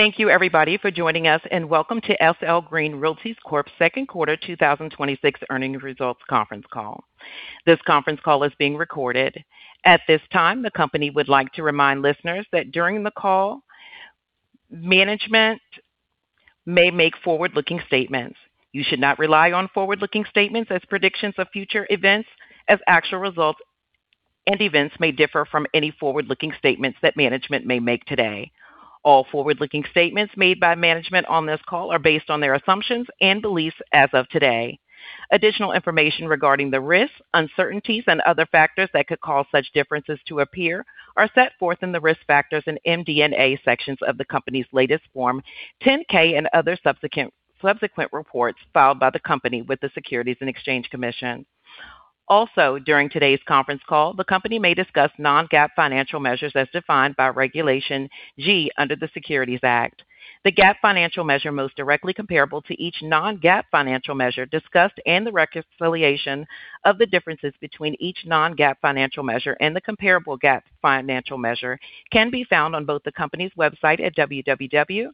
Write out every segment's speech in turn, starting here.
Thank you everybody for joining us, welcome to SL Green Realty Corp's Q2 2026 Earnings Results Conference Call. This conference call is being recorded. At this time, the company would like to remind listeners that during the call, management may make forward-looking statements. You should not rely on forward-looking statements as predictions of future events, as actual results and events may differ from any forward-looking statements that management may make today. All forward-looking statements made by management on this call are based on their assumptions and beliefs as of today. Additional information regarding the risks, uncertainties and other factors that could cause such differences to appear are set forth in the Risk Factors and MD&A sections of the company's latest Form 10-K and other subsequent reports filed by the company with the Securities and Exchange Commission. Also, during today's conference call, the company may discuss non-GAAP financial measures as defined by Regulation G under the Securities Act. The GAAP financial measure most directly comparable to each non-GAAP financial measure discussed, and the reconciliation of the differences between each non-GAAP financial measure and the comparable GAAP financial measure can be found on both the company's website at www.slgreen.com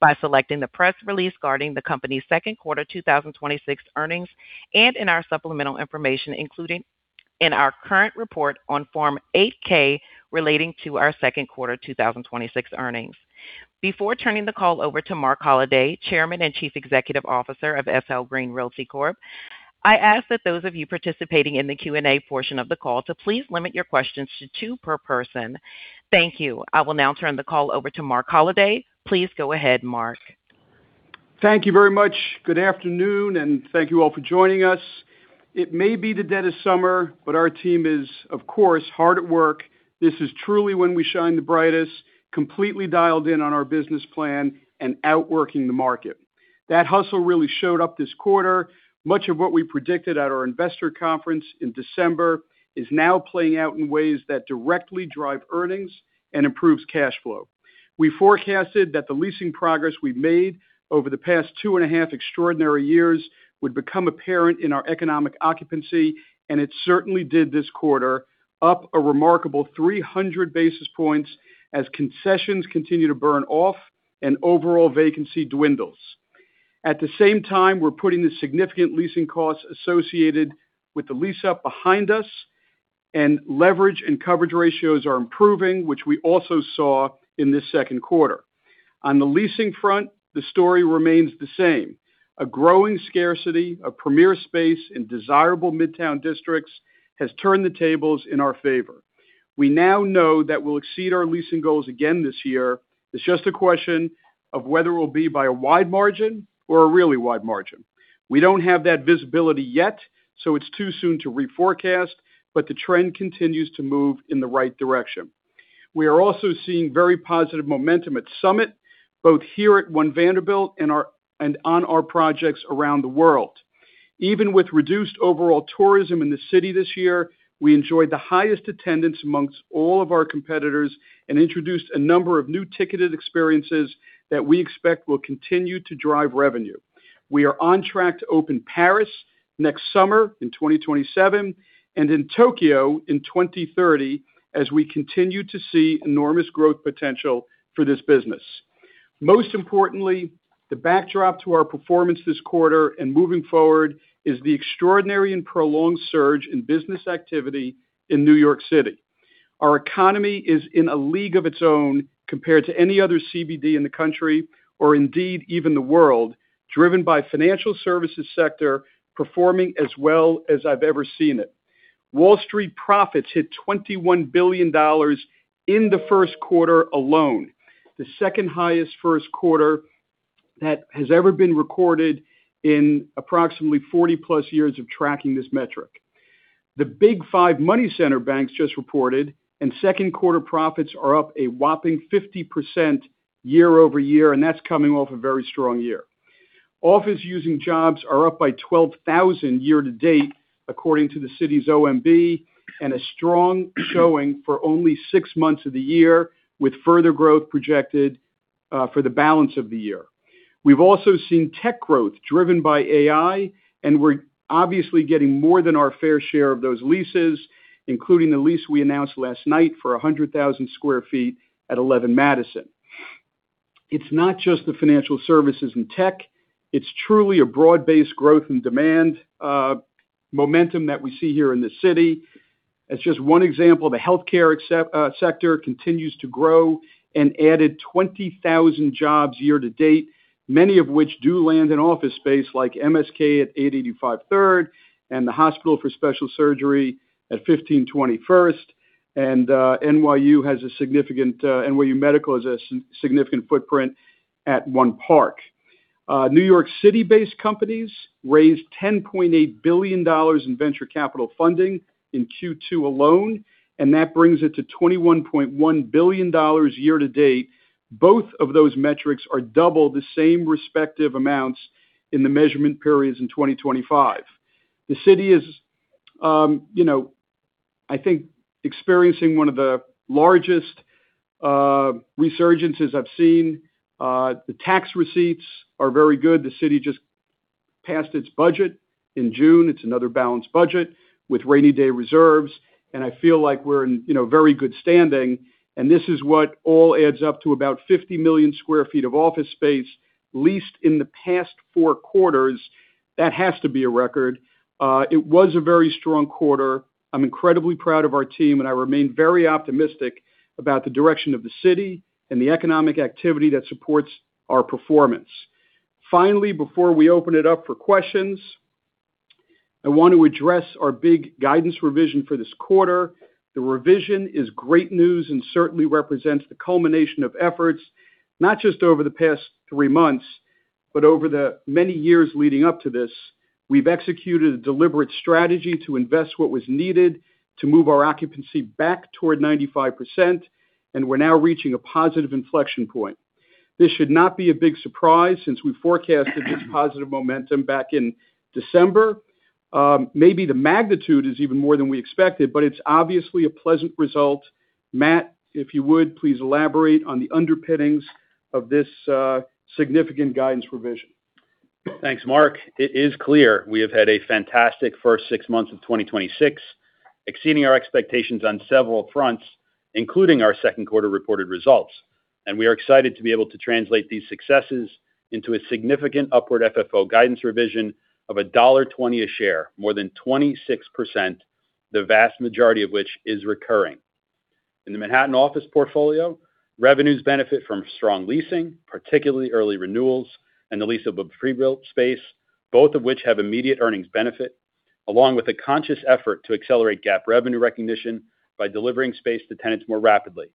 by selecting the press release regarding the company's Q2 2026 earnings, and in our supplemental information included in our current report on Form 8-K relating to our Q2 2026 earnings. Before turning the call over to Marc Holliday, Chairman and Chief Executive Officer of SL Green Realty Corp, I ask that those of you participating in the Q&A portion of the call to please limit your questions to two per person. Thank you. I will now turn the call over to Marc Holliday. Please go ahead, Marc. Thank you very much. Good afternoon, thank you all for joining us. It may be the dead of summer, but our team is, of course, hard at work. This is truly when we shine the brightest, completely dialed in on our business plan and outworking the market. That hustle really showed up this quarter. Much of what we predicted at our investor conference in December is now playing out in ways that directly drive earnings and improves cash flow. We forecasted that the leasing progress we've made over the past two and a half extraordinary years would become apparent in our economic occupancy, and it certainly did this quarter, up a remarkable 300 basis points as concessions continue to burn off and overall vacancy dwindles. At the same time, we're putting the significant leasing costs associated with the lease up behind us, leverage and coverage ratios are improving, which we also saw in this Q2. On the leasing front, the story remains the same. A growing scarcity of premier space in desirable Midtown districts has turned the tables in our favor. We now know that we'll exceed our leasing goals again this year. It's just a question of whether it will be by a wide margin or a really wide margin. We don't have that visibility yet, it's too soon to reforecast, the trend continues to move in the right direction. We are also seeing very positive momentum at SUMMIT, both here at One Vanderbilt and on our projects around the world. Even with reduced overall tourism in the city this year, we enjoyed the highest attendance amongst all of our competitors and introduced a number of new ticketed experiences that we expect will continue to drive revenue. We are on track to open Paris next summer in 2027 and in Tokyo in 2030 as we continue to see enormous growth potential for this business. Most importantly, the backdrop to our performance this quarter and moving forward is the extraordinary and prolonged surge in business activity in New York City. Our economy is in a league of its own compared to any other CBD in the country or indeed, even the world, driven by financial services sector performing as well as I've ever seen it. Wall Street profits hit $21 billion in the Q1 alone, the second highest Q1 that has ever been recorded in approximately 40+ years of tracking this metric. Q2 profits are up a whopping 50% year-over-year, and that's coming off a very strong year. Office using jobs are up by 12,000 year-to-date, according to the city's OMB. A strong showing for only six months of the year, with further growth projected for the balance of the year. We've also seen tech growth driven by AI. We're obviously getting more than our fair share of those leases, including the lease we announced last night for 100,000 sq ft at 11 Madison. It's not just the financial services and tech. It's truly a broad-based growth and demand momentum that we see here in the city. As just one example, the healthcare sector continues to grow and added 20,000 jobs year-to-date, many of which do land in office space like MSK at 885 Third and the Hospital for Special Surgery at 1520 First. NYU Medical has a significant footprint at One Park. New York City based companies raised $10.8 billion in venture capital funding in Q2 alone. That brings it to $21.1 billion year-to-date. Both of those metrics are double the same respective amounts in the measurement periods in 2025. The city is, I think, experiencing one of the largest resurgences I've seen. The tax receipts are very good. The city just Passed its budget in June. It's another balanced budget with rainy day reserves. I feel like we're in very good standing. This is what all adds up to about 50 million sq ft of office space leased in the past four quarters. That has to be a record. It was a very strong quarter. I'm incredibly proud of our team. I remain very optimistic about the direction of the city and the economic activity that supports our performance. Finally, before we open it up for questions, I want to address our big guidance revision for this quarter. The revision is great news and certainly represents the culmination of efforts, not just over the past three months, but over the many years leading up to this. We've executed a deliberate strategy to invest what was needed to move our occupancy back toward 95%. We're now reaching a positive inflection point. This should not be a big surprise since we forecasted this positive momentum back in December. Maybe the magnitude is even more than we expected, but it's obviously a pleasant result. Matt, if you would, please elaborate on the underpinnings of this significant guidance revision. Thanks, Marc. It is clear we have had a fantastic first six months of 2026, exceeding our expectations on several fronts, including our Q2 reported results. We are excited to be able to translate these successes into a significant upward FFO guidance revision of $1.20 a share, more than 26%, the vast majority of which is recurring. In the Manhattan office portfolio, revenues benefit from strong leasing, particularly early renewals and the lease of a free build space, both of which have immediate earnings benefit, along with a conscious effort to accelerate GAAP revenue recognition by delivering space to tenants more rapidly.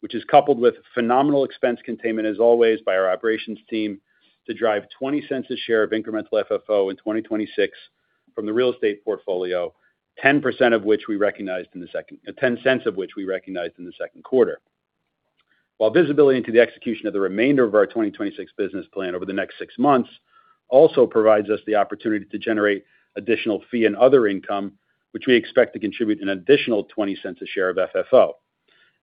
Which is coupled with phenomenal expense containment as always by our operations team to drive $0.20 a share of incremental FFO in 2026 from the real estate portfolio, $0.10 of which we recognized in the Q2. While visibility into the execution of the remainder of our 2026 business plan over the next six months also provides us the opportunity to generate additional fee and other income, which we expect to contribute an additional $0.20 a share of FFO.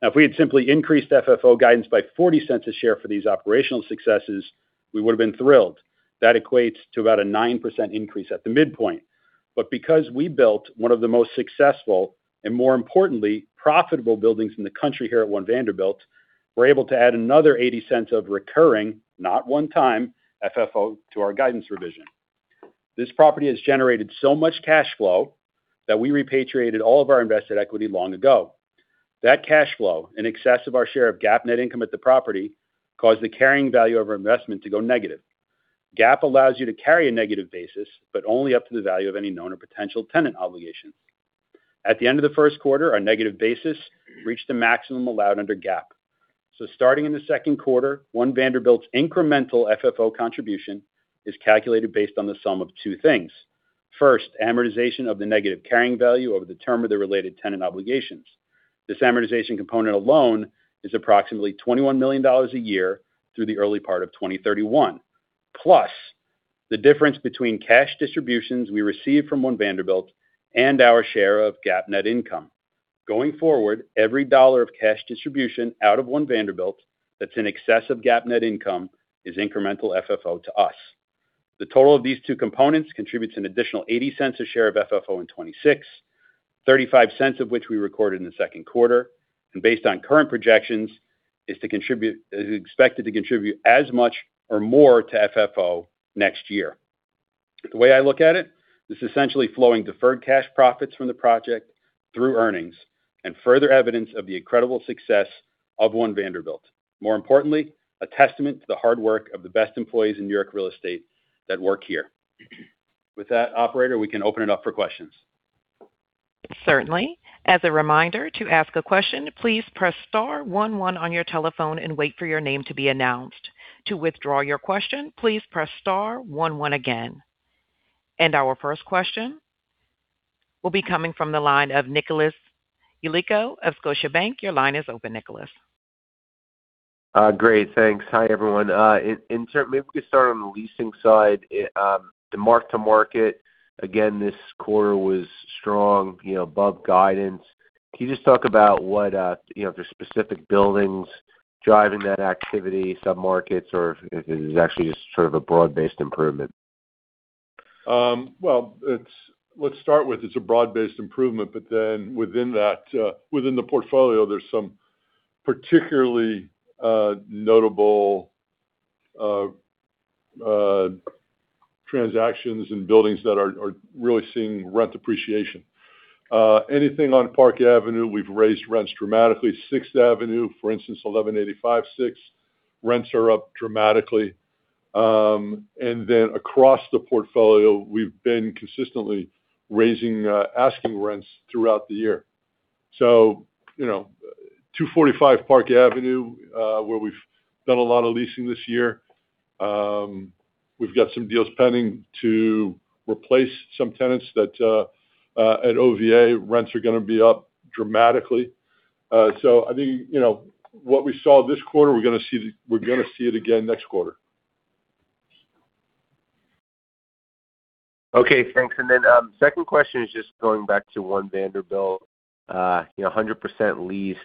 If we had simply increased FFO guidance by $0.40 a share for these operational successes, we would have been thrilled. That equates to about a 9% increase at the midpoint. Because we built one of the most successful, and more importantly, profitable buildings in the country here at One Vanderbilt, we're able to add another $0.80 of recurring, not one time, FFO to our guidance revision. This property has generated so much cash flow that we repatriated all of our invested equity long ago. That cash flow, in excess of our share of GAAP net income at the property, caused the carrying value of our investment to go negative. GAAP allows you to carry a negative basis, but only up to the value of any known or potential tenant obligation. At the end of the Q1, our negative basis reached the maximum allowed under GAAP. Starting in the Q2, One Vanderbilt's incremental FFO contribution is calculated based on the sum of two things. First, amortization of the negative carrying value over the term of the related tenant obligations. This amortization component alone is approximately $21 million a year through the early part of 2031, plus the difference between cash distributions we receive from One Vanderbilt and our share of GAAP net income. Going forward, every dollar of cash distribution out of One Vanderbilt that's in excess of GAAP net income is incremental FFO to us. The total of these two components contributes an additional $0.80 a share of FFO in 2026, $0.35 of which we recorded in the Q2, and based on current projections, is expected to contribute as much or more to FFO next year. The way I look at it, this essentially flowing deferred cash profits from the project through earnings and further evidence of the incredible success of One Vanderbilt. More importantly, a testament to the hard work of the best employees in New York real estate that work here. With that, operator, we can open it up for questions. Certainly. As a reminder, to ask a question, please press *11 on your telephone and wait for your name to be announced. To withdraw your question, please press *11 again. Our first question will be coming from the line of Nicholas Yulico of Scotiabank. Your line is open, Nicholas. Great. Thanks. Hi, everyone. Maybe if we could start on the leasing side. The mark to market, again, this quarter was strong, above guidance. Can you just talk about if there's specific buildings driving that activity, submarkets, or if it is actually just sort of a broad-based improvement? Well, let's start with it's a broad-based improvement, within the portfolio, there's some particularly notable transactions and buildings that are really seeing rent appreciation. Anything on Park Avenue, we've raised rents dramatically. Sixth Avenue, for instance, 1185 Sixth, rents are up dramatically. Across the portfolio, we've been consistently raising asking rents throughout the year. 245 Park Avenue, where we've done a lot of leasing this year. We've got some deals pending to replace some tenants that at OVA, rents are going to be up dramatically. I think, what we saw this quarter, we're going to see it again next quarter. Okay, thanks. Second question is just going back to One Vanderbilt, 100% leased.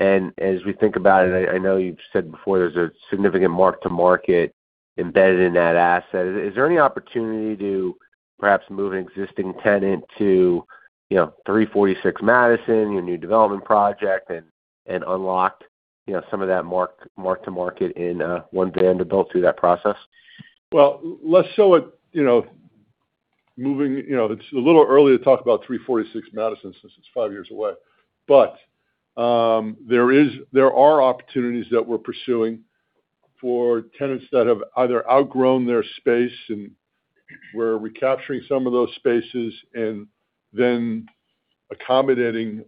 As we think about it, I know you've said before there's a significant mark-to-market embedded in that asset. Is there any opportunity to perhaps move an existing tenant to 346 Madison, your new development project, and unlock some of that mark-to-market in One Vanderbilt through that process? Well, it's a little early to talk about 346 Madison since it's five years away. There are opportunities that we're pursuing for tenants that have either outgrown their space, and we're recapturing some of those spaces and then accommodating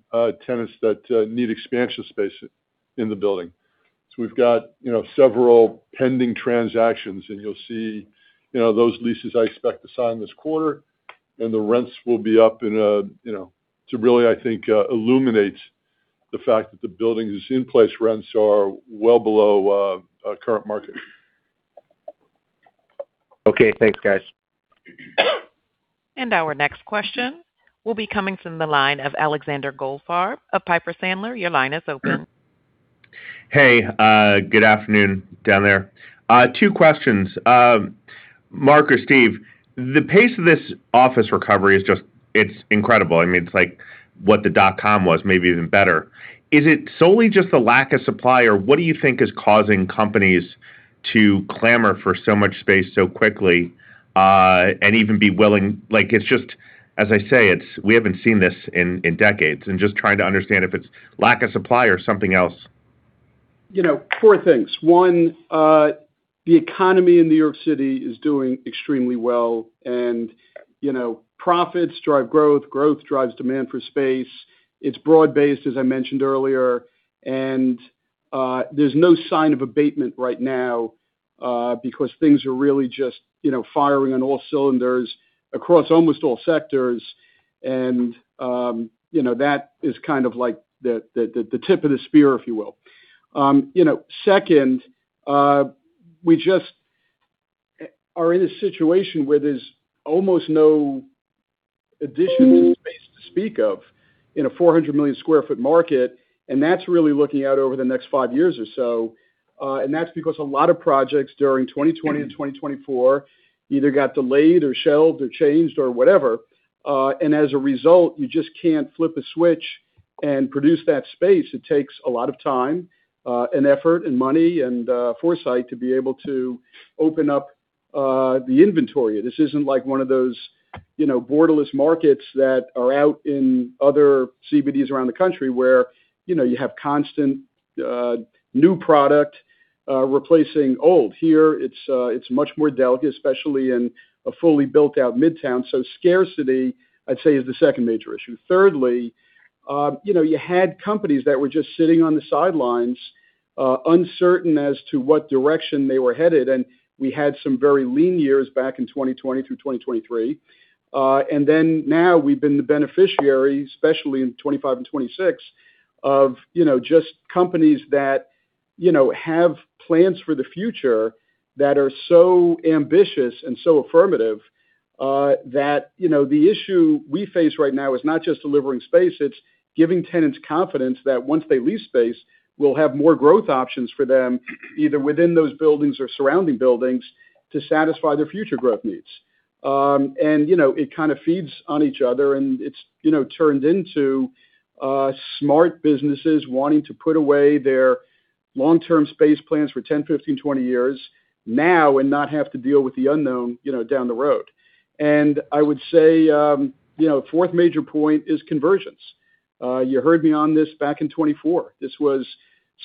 tenants that need expansion space in the building. We've got several pending transactions, and you'll see those leases, I expect, to sign this quarter, and the rents will be up to really, I think, illuminate the fact that the building's in-place rents are well below current market. Okay. Thanks, guys. Our next question will be coming from the line of Alexander Goldfarb of Piper Sandler. Your line is open. Hey, good afternoon down there. Two questions. Marc or Steve, the pace of this office recovery, it's incredible. It's like what the dot-com was, maybe even better. Is it solely just the lack of supply, or what do you think is causing companies to clamor for so much space so quickly? It's just, as I say, we haven't seen this in decades, and just trying to understand if it's lack of supply or something else. Four things. One, the economy in New York City is doing extremely well. Profits drive growth drives demand for space. It's broad-based, as I mentioned earlier. There's no sign of abatement right now, because things are really just firing on all cylinders across almost all sectors. That is kind of like the tip of the spear, if you will. Second, we just are in a situation where there's almost no addition to the space to speak of in a 400 million sq ft market. That's really looking out over the next five years or so. That's because a lot of projects during 2020 and 2024 either got delayed or shelved or changed or whatever. As a result, you just can't flip a switch and produce that space. It takes a lot of time and effort and money and foresight to be able to open up the inventory. This isn't like one of those borderless markets that are out in other CBDs around the country where you have constant new product replacing old. Here, it's much more delicate, especially in a fully built-out Midtown. Scarcity, I'd say, is the second major issue. Thirdly, you had companies that were just sitting on the sidelines, uncertain as to what direction they were headed, and we had some very lean years back in 2020 through 2023. Now we've been the beneficiary, especially in 2025 and 2026, of just companies that have plans for the future that are so ambitious and so affirmative that the issue we face right now is not just delivering space, it's giving tenants confidence that once they lease space, we'll have more growth options for them, either within those buildings or surrounding buildings to satisfy their future growth needs. It kind of feeds on each other, and it's turned into smart businesses wanting to put away their long-term space plans for 10, 15, 20 years now and not have to deal with the unknown down the road. I would say, fourth major point is conversions. You heard me on this back in 2024. This was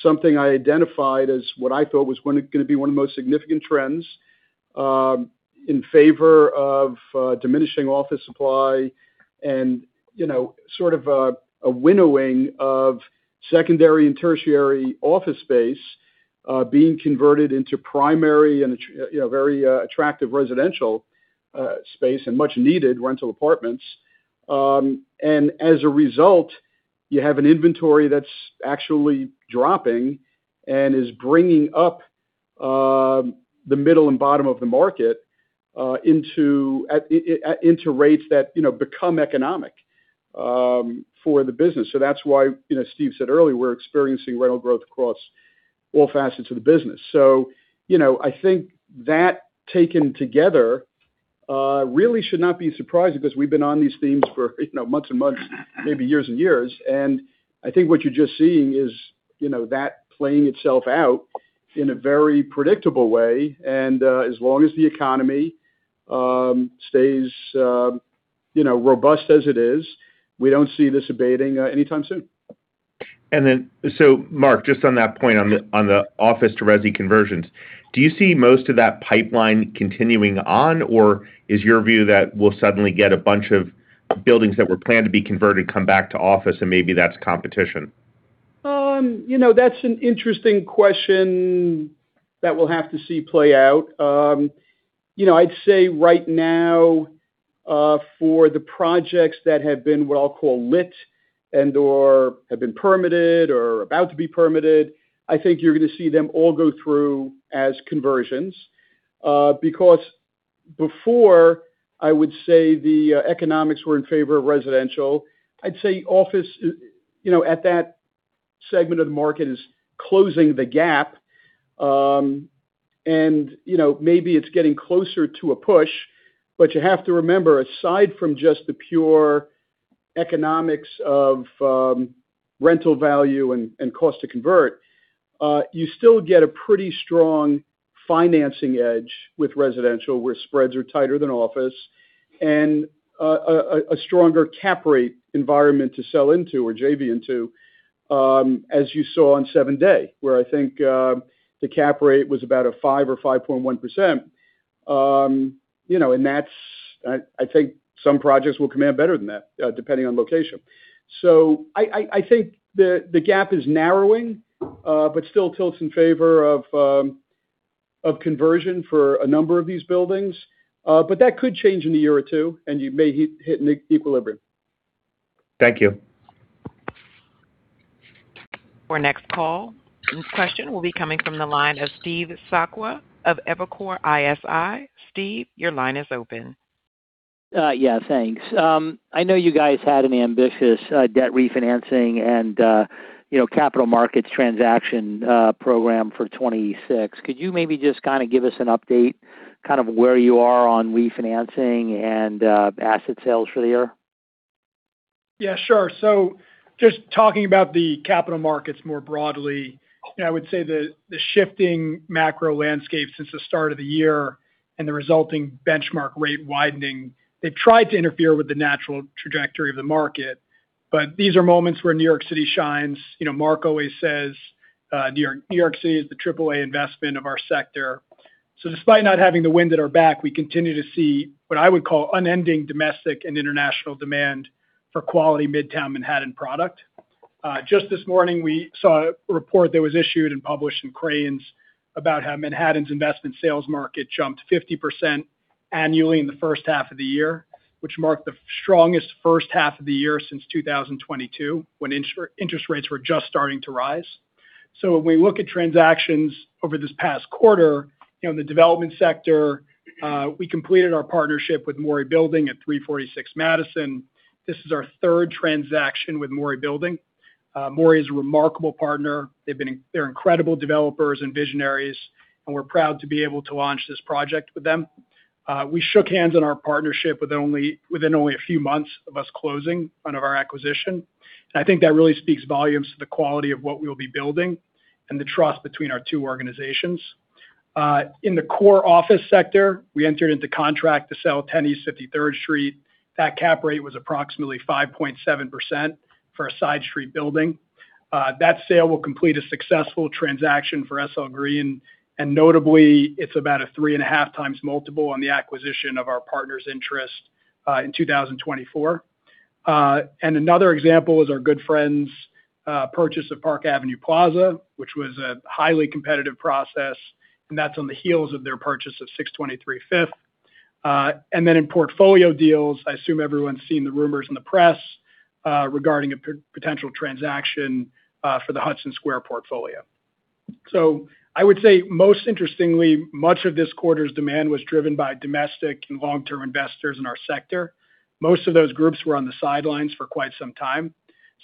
something I identified as what I thought was going to be one of the most significant trends in favor of diminishing office supply and sort of a winnowing of secondary and tertiary office space being converted into primary and very attractive residential space and much needed rental apartments. As a result, you have an inventory that's actually dropping and is bringing up the middle and bottom of the market into rates that become economic for the business. That's why Steve said earlier, we're experiencing rental growth across all facets of the business. I think that taken together really should not be surprising because we've been on these themes for months and months, maybe years and years. I think what you're just seeing is that playing itself out in a very predictable way. As long as the economy stays robust as it is, we don't see this abating anytime soon. Marc, just on that point on the office to resi conversions, do you see most of that pipeline continuing on, or is your view that we'll suddenly get a bunch of buildings that were planned to be converted come back to office, and maybe that's competition? That's an interesting question that we'll have to see play out. I'd say right now, for the projects that have been what I'll call lit and/or have been permitted or are about to be permitted, I think you're going to see them all go through as conversions. Because before I would say the economics were in favor of residential, I'd say office at that segment of the market is closing the gap. Maybe it's getting closer to a push, but you have to remember, aside from just the pure economics of rental value and cost to convert, you still get a pretty strong financing edge with residential, where spreads are tighter than office, and a stronger cap rate environment to sell into or JV into, as you saw on 7 Dey Street, where I think the cap rate was about a 5% or 5.1%. I think some projects will command better than that, depending on location. I think the gap is narrowing, but still tilts in favor of conversion for a number of these buildings. That could change in a year or two, and you may hit an equilibrium. Thank you. Our next call and question will be coming from the line of Steve Sakwa of Evercore ISI. Steve, your line is open. Thanks. I know you guys had an ambitious debt refinancing and capital markets transaction program for 2026. Could you maybe just kind of give us an update, kind of where you are on refinancing and asset sales for the year? Yeah, sure. Just talking about the capital markets more broadly, I would say the shifting macro landscape since the start of the year and the resulting benchmark rate widening, they've tried to interfere with the natural trajectory of the market. These are moments where New York City shines. Marc always says New York City is the AAA investment of our sector. Despite not having the wind at our back, we continue to see what I would call unending domestic and international demand for quality Midtown Manhattan product. Just this morning, we saw a report that was issued and published in Crain's about how Manhattan's investment sales market jumped 50% annually in the first half of the year, which marked the strongest first half of the year since 2022, when interest rates were just starting to rise. If we look at transactions over this past quarter, the development sector, we completed our partnership with Mori Building at 346 Madison. This is our third transaction with Mori Building. Mori is a remarkable partner. They're incredible developers and visionaries, and we're proud to be able to launch this project with them. We shook hands on our partnership within only a few months of us closing on our acquisition. I think that really speaks volumes to the quality of what we'll be building and the trust between our two organizations. In the core office sector, we entered into contract to sell 10 East 53rd Street. That cap rate was approximately 5.7% for a side street building. That sale will complete a successful transaction for SL Green, and notably, it's about a three and a half times multiple on the acquisition of our partner's interest in 2024. Another example is our good friends' purchase of Park Avenue Plaza, which was a highly competitive process, and that's on the heels of their purchase of 623 Fifth. In portfolio deals, I assume everyone's seen the rumors in the press regarding a potential transaction for the Hudson Square portfolio. I would say most interestingly, much of this quarter's demand was driven by domestic and long-term investors in our sector. Most of those groups were on the sidelines for quite some time.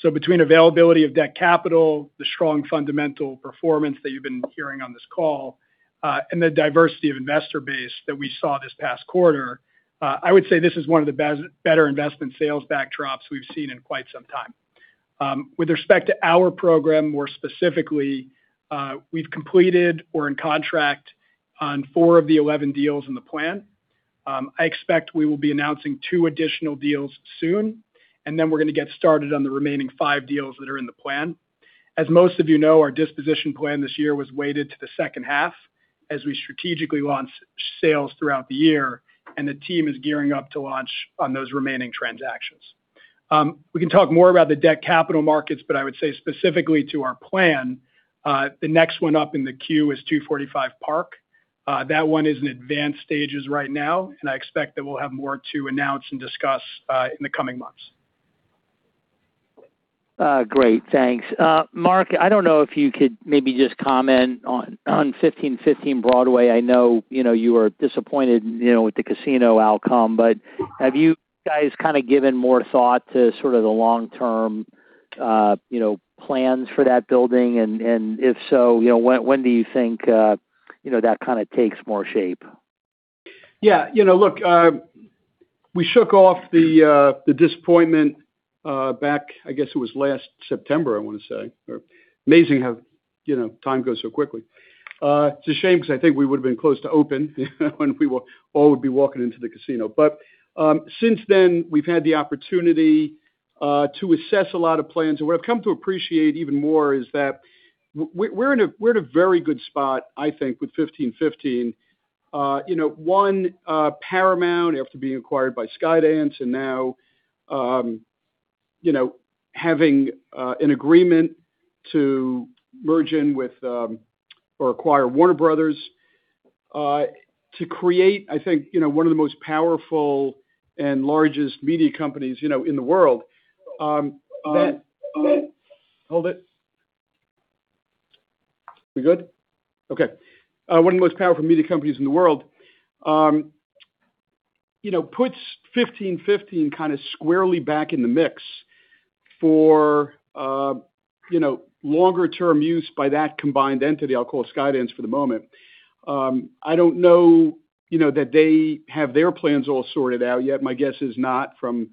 Between availability of debt capital, the strong fundamental performance that you've been hearing on this call, and the diversity of investor base that we saw this past quarter, I would say this is one of the better investment sales backdrops we've seen in quite some time. With respect to our program, more specifically, we've completed or in contract on four of the 11 deals in the plan. I expect we will be announcing two additional deals soon, and then we're going to get started on the remaining five deals that are in the plan. As most of you know, our disposition plan this year was weighted to the second half as we strategically launch sales throughout the year, and the team is gearing up to launch on those remaining transactions. We can talk more about the debt capital markets, but I would say specifically to our plan, the next one up in the queue is 245 Park. That one is in advanced stages right now, and I expect that we'll have more to announce and discuss in the coming months. Great. Thanks. Marc, I don't know if you could maybe just comment on 1515 Broadway. I know you were disappointed with the casino outcome, but have you guys kind of given more thought to sort of the long-term plans for that building? If so, when do you think that kind of takes more shape? Yeah. Look, we shook off the disappointment back, I guess it was last September, I want to say. Amazing how time goes so quickly. It's a shame because I think we would've been close to open when we all would be walking into the casino. Since then, we've had the opportunity to assess a lot of plans. What I've come to appreciate even more is that we're in a very good spot, I think, with 1515. One, Paramount, after being acquired by Skydance, and now having an agreement to merge in with or acquire Warner Bros. to create, I think, one of the most powerful and largest media companies in the world. Hold it. We good? Okay. One of the most powerful media companies in the world, puts 1515 squarely back in the mix for longer term use by that combined entity. I'll call it Skydance for the moment. I don't know that they have their plans all sorted out yet. My guess is not from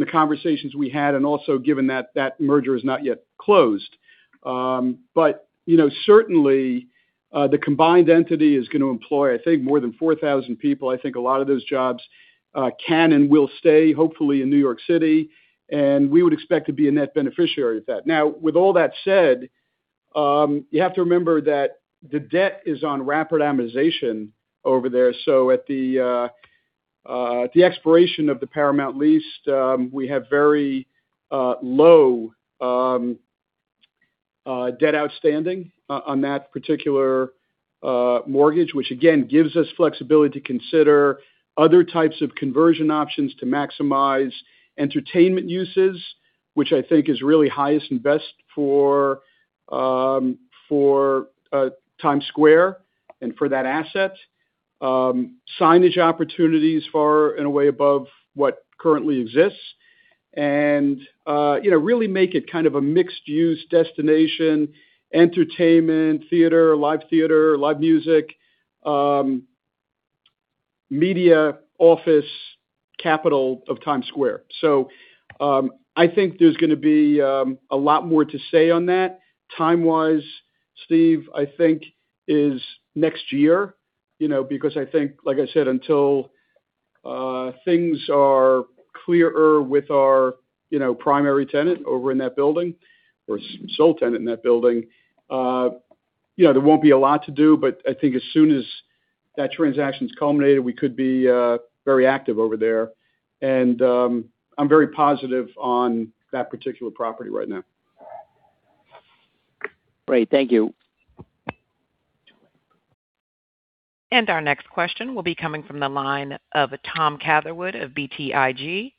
the conversations we had, and also given that that merger is not yet closed. Certainly, the combined entity is going to employ, I think, more than 4,000 people. I think a lot of those jobs can and will stay, hopefully, in New York City, and we would expect to be a net beneficiary of that. With all that said, you have to remember that the debt is on rapid amortization over there. At the expiration of the Paramount lease, we have very low debt outstanding on that particular mortgage, which again, gives us flexibility to consider other types of conversion options to maximize entertainment uses, which I think is really highest and best for Times Square and for that asset. Signage opportunities far in a way above what currently exists, and really make it a mixed-use destination, entertainment, theater, live theater, live music, media office capital of Times Square. I think there's going to be a lot more to say on that. Time-wise, Steve, I think is next year, because I think, like I said, until things are clearer with our primary tenant over in that building, or sole tenant in that building, there won't be a lot to do. I think as soon as that transaction's culminated, we could be very active over there. I'm very positive on that particular property right now. Great. Thank you. Our next question will be coming from the line of Tom Catherwood of BTIG.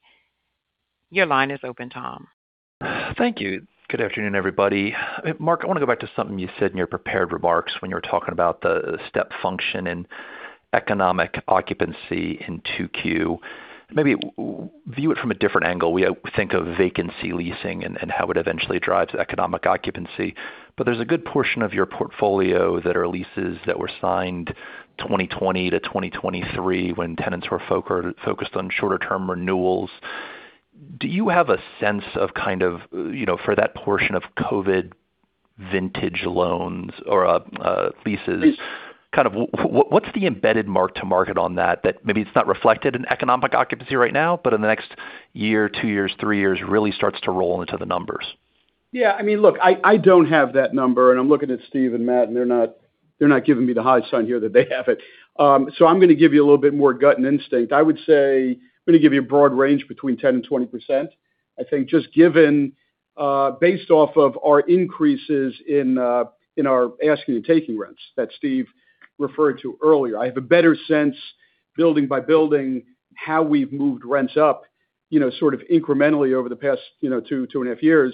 Your line is open, Tom. Thank you. Good afternoon, everybody. Marc, I want to go back to something you said in your prepared remarks when you were talking about the step function and economic occupancy in Q2. Maybe view it from a different angle. We think of vacancy leasing and how it eventually drives economic occupancy, but there's a good portion of your portfolio that are leases that were signed 2020 to 2023 when tenants were focused on shorter-term renewals. Do you have a sense of, for that portion of COVID vintage loans or leases, what's the embedded mark to market on that? That maybe it's not reflected in economic occupancy right now, but in the next year, two years, three years, really starts to roll into the numbers. Yeah. Look, I don't have that number, I'm looking at Steve and Matt, and they're not giving me the high sign here that they have it. I'm going to give you a little bit more gut and instinct. I would say I'm going to give you a broad range between 10% and 20%. I think just given based off of our increases in our asking and taking rents that Steve referred to earlier. I have a better sense building by building how we've moved rents up sort of incrementally over the past two and a half years.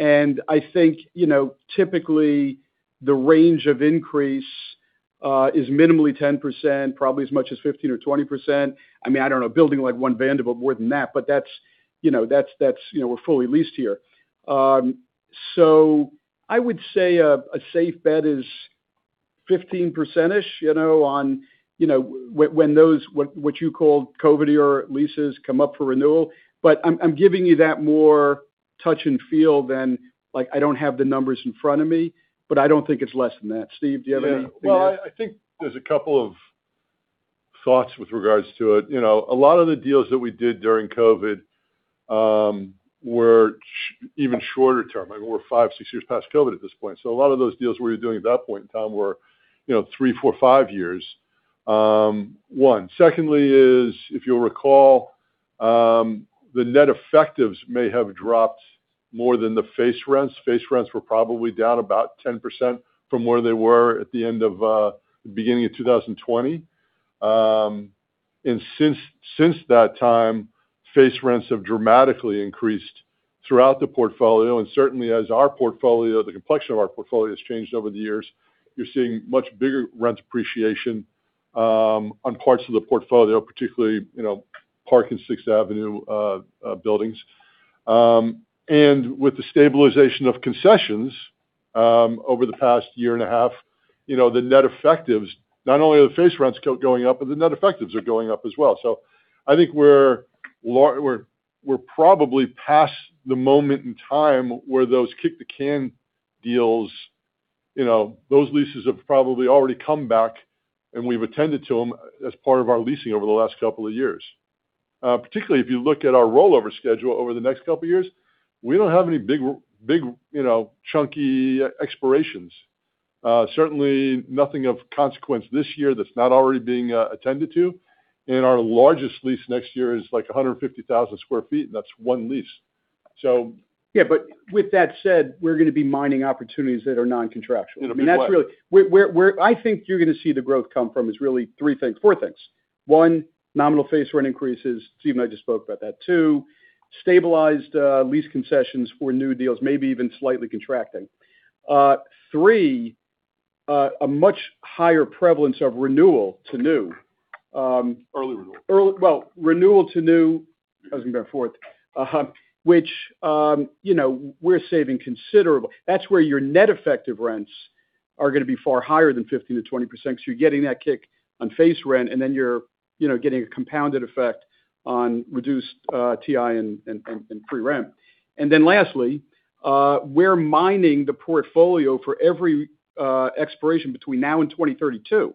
I think typically the range of increase is minimally 10%, probably as much as 15% or 20%. I don't know, a building like One Vanderbilt more than that, but we're fully leased here. I would say a safe bet is 15%-ish on when those, what you call COVID-era leases, come up for renewal. I'm giving you that more touch and feel than I don't have the numbers in front of me, but I don't think it's less than that. Steve, do you have anything there? I think there's a couple of thoughts with regards to it. A lot of the deals that we did during COVID were even shorter term. We're five, six years past COVID at this point. A lot of those deals we were doing at that point in time were three, four, five years, one. Secondly is, if you'll recall, the net effectives may have dropped more than the face rents. Face rents were probably down about 10% from where they were at the beginning of 2020. Since that time, face rents have dramatically increased throughout the portfolio, and certainly as our portfolio, the complexion of our portfolio, has changed over the years. You're seeing much bigger rent appreciation on parts of the portfolio, particularly Park and 6th Avenue buildings. With the stabilization of concessions over the past year and a half, the net effectives, not only are the face rents going up, but the net effectives are going up as well. I think we're probably past the moment in time where those kick-the-can deals, those leases have probably already come back and we've attended to them as part of our leasing over the last couple of years. Particularly if you look at our rollover schedule over the next couple of years, we don't have any big chunky expirations. Certainly nothing of consequence this year that's not already being attended to. Our largest lease next year is like 150,000 sq ft, and that's one lease. Yeah, with that said, we're going to be mining opportunities that are non-contractual. In a big way. Where I think you're going to see the growth come from is really four things. One, nominal face rent increases. Steve and I just spoke about that. Two, stabilized lease concessions for new deals, maybe even slightly contracting. Three, a much higher prevalence of renewal to new. Early renewal. Well, renewal to new, as we go forth, which we're saving considerable. That's where your net effective rents are going to be far higher than 15%-20%, because you're getting that kick on face rent, then you're getting a compounded effect on reduced TI and free rent. Lastly, we're mining the portfolio for every expiration between now and 2032.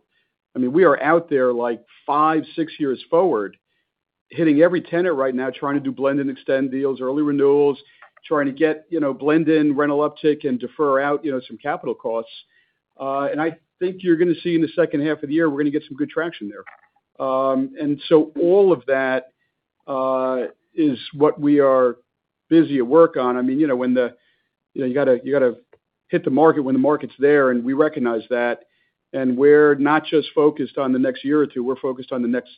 We are out there like five, six years forward, hitting every tenant right now, trying to do blend and extend deals, early renewals, trying to get blend in rental uptick and defer out some capital costs. I think you're going to see in the second half of the year, we're going to get some good traction there. All of that is what we are busy at work on. You got to hit the market when the market's there, and we recognize that. We're not just focused on the next year or two, we're focused on the next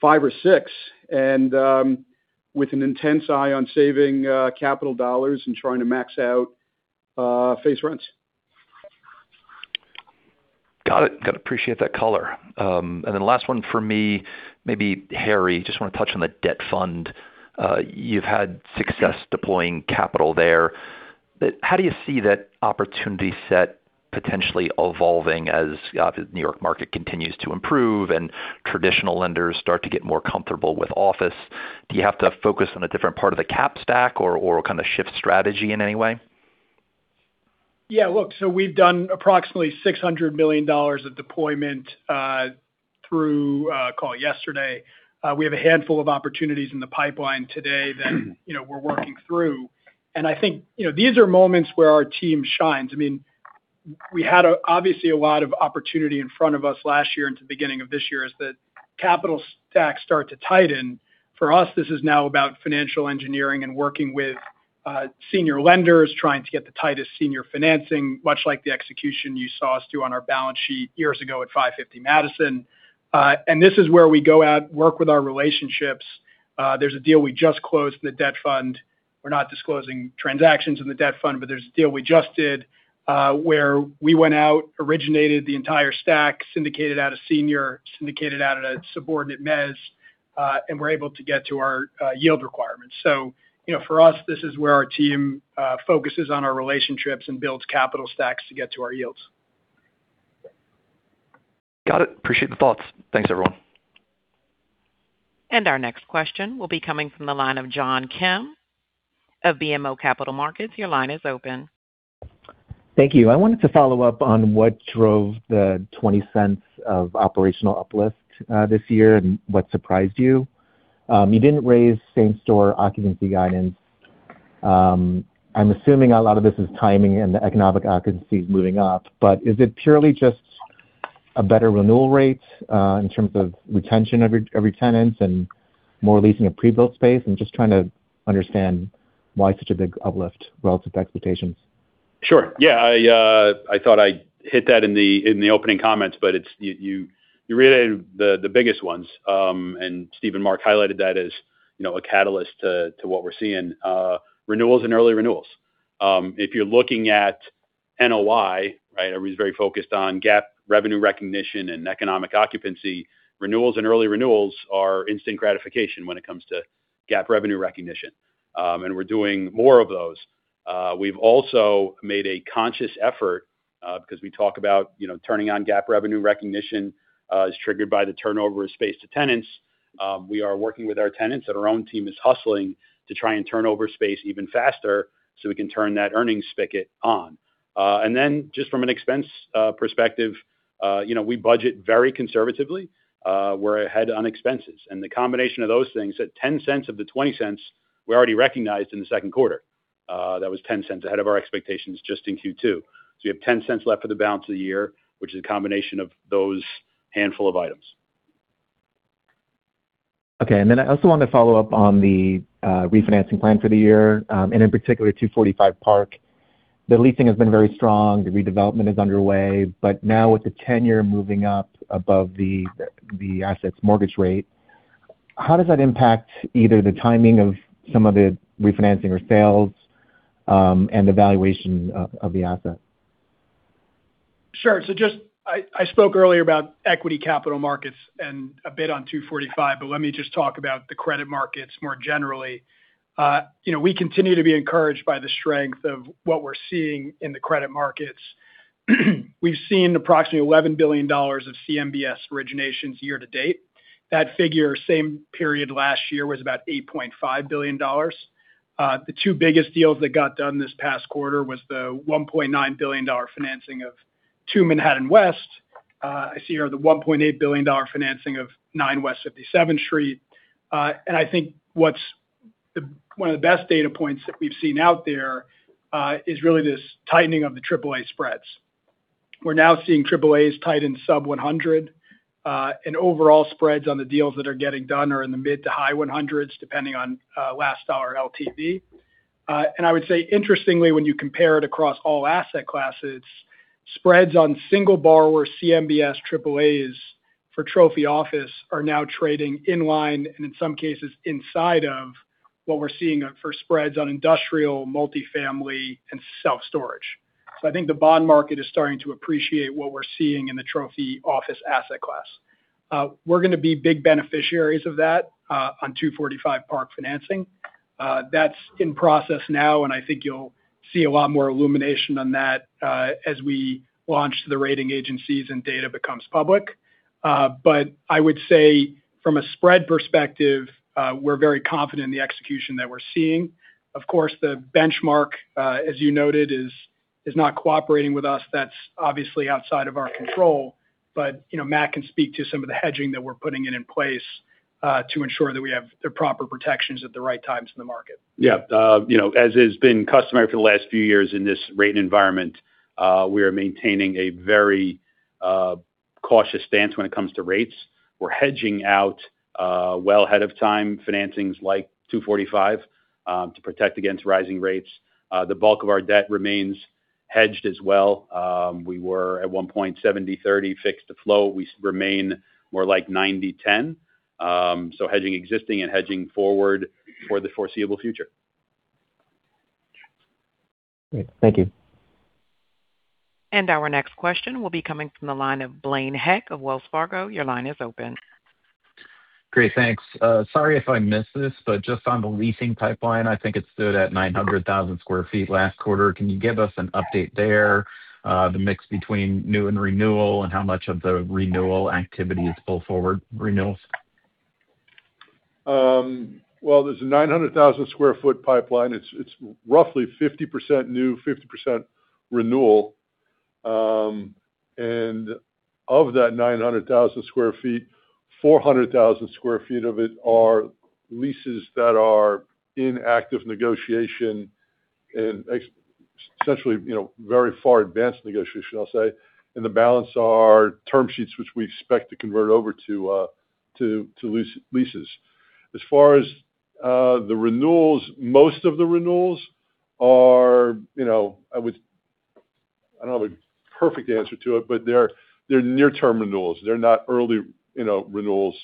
five or six, and with an intense eye on saving capital dollars and trying to max out face rents. Got it. Got to appreciate that color. Last one from me, maybe Harry, just want to touch on the debt fund. You've had success deploying capital there. How do you see that opportunity set potentially evolving as the New York market continues to improve and traditional lenders start to get more comfortable with office? Do you have to focus on a different part of the cap stack or kind of shift strategy in any way? We've done approximately $600 million of deployment through call yesterday. We have a handful of opportunities in the pipeline today that we're working through. I think these are moments where our team shines. We had, obviously, a lot of opportunity in front of us last year into the beginning of this year as the capital stacks start to tighten. For us, this is now about financial engineering and working with senior lenders, trying to get the tightest senior financing, much like the execution you saw us do on our balance sheet years ago at 550 Madison. This is where we go out, work with our relationships. There's a deal we just closed in the debt fund. We're not disclosing transactions in the debt fund, there's a deal we just did, where we went out, originated the entire stack, syndicated out a senior, syndicated out a subordinate mezz, and we're able to get to our yield requirements. For us, this is where our team focuses on our relationships and builds capital stacks to get to our yields. Got it. Appreciate the thoughts. Thanks, everyone. Our next question will be coming from the line of John Kim of BMO Capital Markets. Your line is open. Thank you. I wanted to follow up on what drove the $0.20 of operational uplift this year and what surprised you. You didn't raise same-store occupancy guidance. I'm assuming a lot of this is timing and the economic occupancy is moving up, but is it purely just a better renewal rate in terms of retention of your tenants and more leasing of pre-built space? I'm just trying to understand why such a big uplift relative to expectations. Sure. Yeah, I thought I hit that in the opening comments, but you reiterated the biggest ones. Steve and Marc highlighted that as a catalyst to what we're seeing. Renewals and early renewals. If you're looking at NOI, everybody's very focused on GAAP revenue recognition and economic occupancy. Renewals and early renewals are instant gratification when it comes to GAAP revenue recognition. We're doing more of those. We've also made a conscious effort because we talk about turning on GAAP revenue recognition is triggered by the turnover of space to tenants. We are working with our tenants and our own team is hustling to try and turn over space even faster so we can turn that earnings spigot on. Then just from an expense perspective, we budget very conservatively. We're ahead on expenses. The combination of those things, that $0.10 of the $0.20 we already recognized in the Q2. That was $0.10 ahead of our expectations just in Q2. You have $0.10 left for the balance of the year, which is a combination of those handful of items. Okay. I also wanted to follow up on the refinancing plan for the year, and in particular, 245 Park. The leasing has been very strong. The redevelopment is underway. Now with the 10-year moving up above the asset's mortgage rate, how does that impact either the timing of some of the refinancing or sales, and the valuation of the asset? Sure. I spoke earlier about equity capital markets and a bit on 245, but let me just talk about the credit markets more generally. We continue to be encouraged by the strength of what we're seeing in the credit markets. We've seen approximately $11 billion of CMBS originations year-to-date. That figure, same period last year, was about $8.5 billion. The two biggest deals that got done this past quarter was the $1.9 billion financing of 2 Manhattan West. The $1.8 billion financing of 9 West 57th Street. I think one of the best data points that we've seen out there is really this tightening of the AAA spreads. We're now seeing AAAs tight in sub 100. Overall spreads on the deals that are getting done are in the mid-to-high 100s, depending on last dollar LTV. I would say, interestingly, when you compare it across all asset classes, spreads on single borrower CMBS AAAs for trophy office are now trading in line, and in some cases inside of, what we're seeing for spreads on industrial, multifamily and self-storage. I think the bond market is starting to appreciate what we're seeing in the trophy office asset class. We're going to be big beneficiaries of that on 245 Park financing. That's in process now, and I think you'll see a lot more illumination on that as we launch to the rating agencies and data becomes public. I would say from a spread perspective, we're very confident in the execution that we're seeing. Of course, the benchmark, as you noted, is not cooperating with us. That's obviously outside of our control. Matt can speak to some of the hedging that we're putting in place, to ensure that we have the proper protections at the right times in the market. Yeah. As has been customary for the last few years in this rate environment, we are maintaining a very cautious stance when it comes to rates. We're hedging out well ahead of time financings like 245 to protect against rising rates. The bulk of our debt remains hedged as well. We were at one point 70/30 fixed to float. We remain more like 90/10. Hedging existing and hedging forward for the foreseeable future. Great. Thank you. Our next question will be coming from the line of Blaine Heck of Wells Fargo. Your line is open. Great, thanks. Sorry if I missed this, just on the leasing pipeline, I think it stood at 900,000 sq ft last quarter. Can you give us an update there, the mix between new and renewal and how much of the renewal activity is pull forward renewals? Well, there's a 900,000 square foot pipeline. It's roughly 50% new, 50% renewal. Of that 900,000 sq ft, 400,000 sq ft of it are leases that are in active negotiation and essentially very far advanced negotiation, I'll say. The balance are term sheets, which we expect to convert over to leases. As far as the renewals, most of the renewals are I don't have a perfect answer to it, they're near-term renewals. They're not early renewals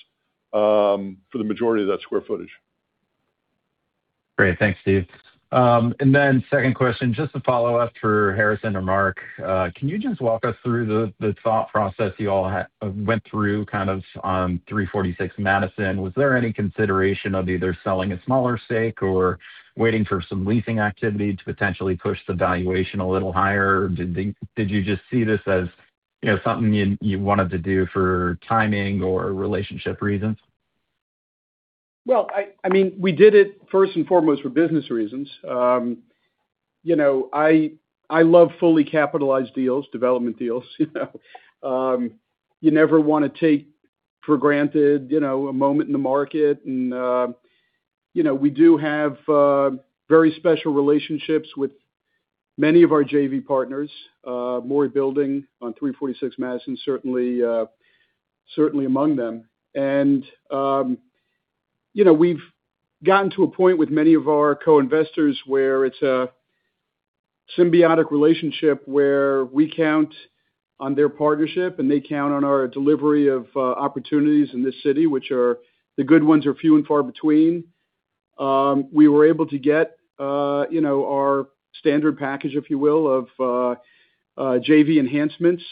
for the majority of that square footage. Great. Thanks, Steve. Then second question, just a follow-up for Harry or Marc. Can you just walk us through the thought process you all went through kind of on 346 Madison? Was there any consideration of either selling a smaller stake or waiting for some leasing activity to potentially push the valuation a little higher? Did you just see this as something you wanted to do for timing or relationship reasons? Well, we did it first and foremost for business reasons. I love fully capitalized deals, development deals. You never want to take for granted a moment in the market. We do have very special relationships with many of our JV partners, Mori Building on 346 Madison, certainly among them. We've gotten to a point with many of our co-investors where it's a symbiotic relationship where we count on their partnership, and they count on our delivery of opportunities in this city, which the good ones are few and far between. We were able to get our standard package, if you will, of JV enhancements,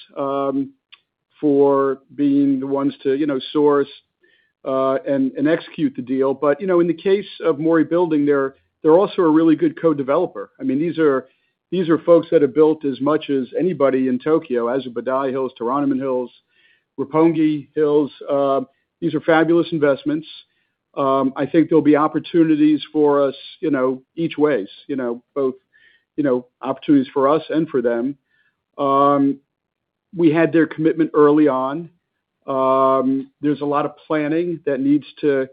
for being the ones to source, and execute the deal. In the case of Mori Building, they're also a really good co-developer. These are folks that have built as much as anybody in Tokyo, Azabudai Hills, Toranomon Hills, Roppongi Hills. These are fabulous investments. I think there'll be opportunities for us each ways, both opportunities for us and for them. We had their commitment early on. There's a lot of planning that needs to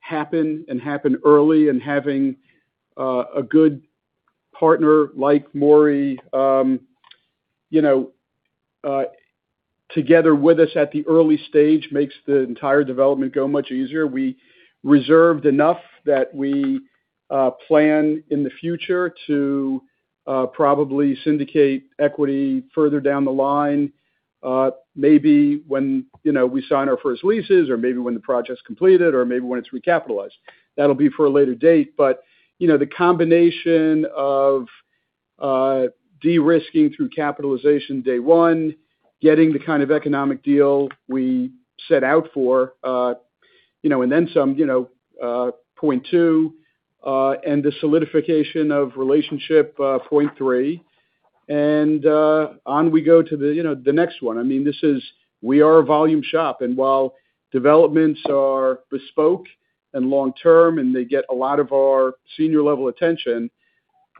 happen and happen early, having a good partner like Mori together with us at the early stage makes the entire development go much easier. We reserved enough that we plan in the future to probably syndicate equity further down the line. Maybe when we sign our first leases or maybe when the project's completed or maybe when it's recapitalized. That'll be for a later date. The combination of de-risking through capitalization, day one, getting the kind of economic deal we set out for, and then some, point 2, and the solidification of relationship, point 3. On we go to the next one. We are a volume shop, and while developments are bespoke and long-term, and they get a lot of our senior level attention,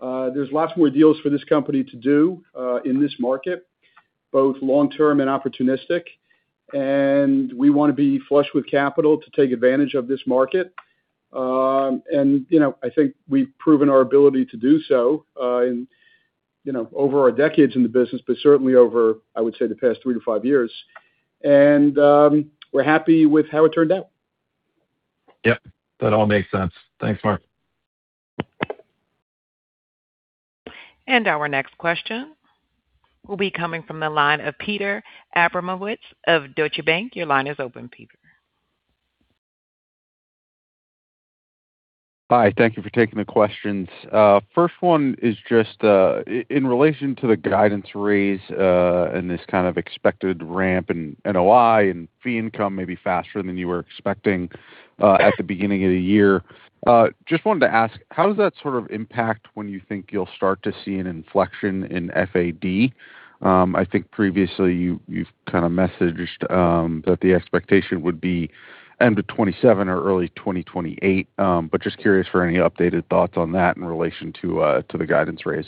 there's lots more deals for this company to do in this market, both long-term and opportunistic. We want to be flush with capital to take advantage of this market. I think we've proven our ability to do so over our decades in the business, but certainly over, I would say, the past three to five years. We're happy with how it turned out. Yep. That all makes sense. Thanks, Marc. Our next question will be coming from the line of Peter Abramowitz of Deutsche Bank. Your line is open, Peter. Hi. Thank you for taking the questions. First one is just in relation to the guidance raise, and this kind of expected ramp in NOI and fee income, maybe faster than you were expecting at the beginning of the year. Just wanted to ask, how does that sort of impact when you think you'll start to see an inflection in FAD? I think previously you've kind of messaged that the expectation would be end of 2027 or early 2028. Just curious for any updated thoughts on that in relation to the guidance raise.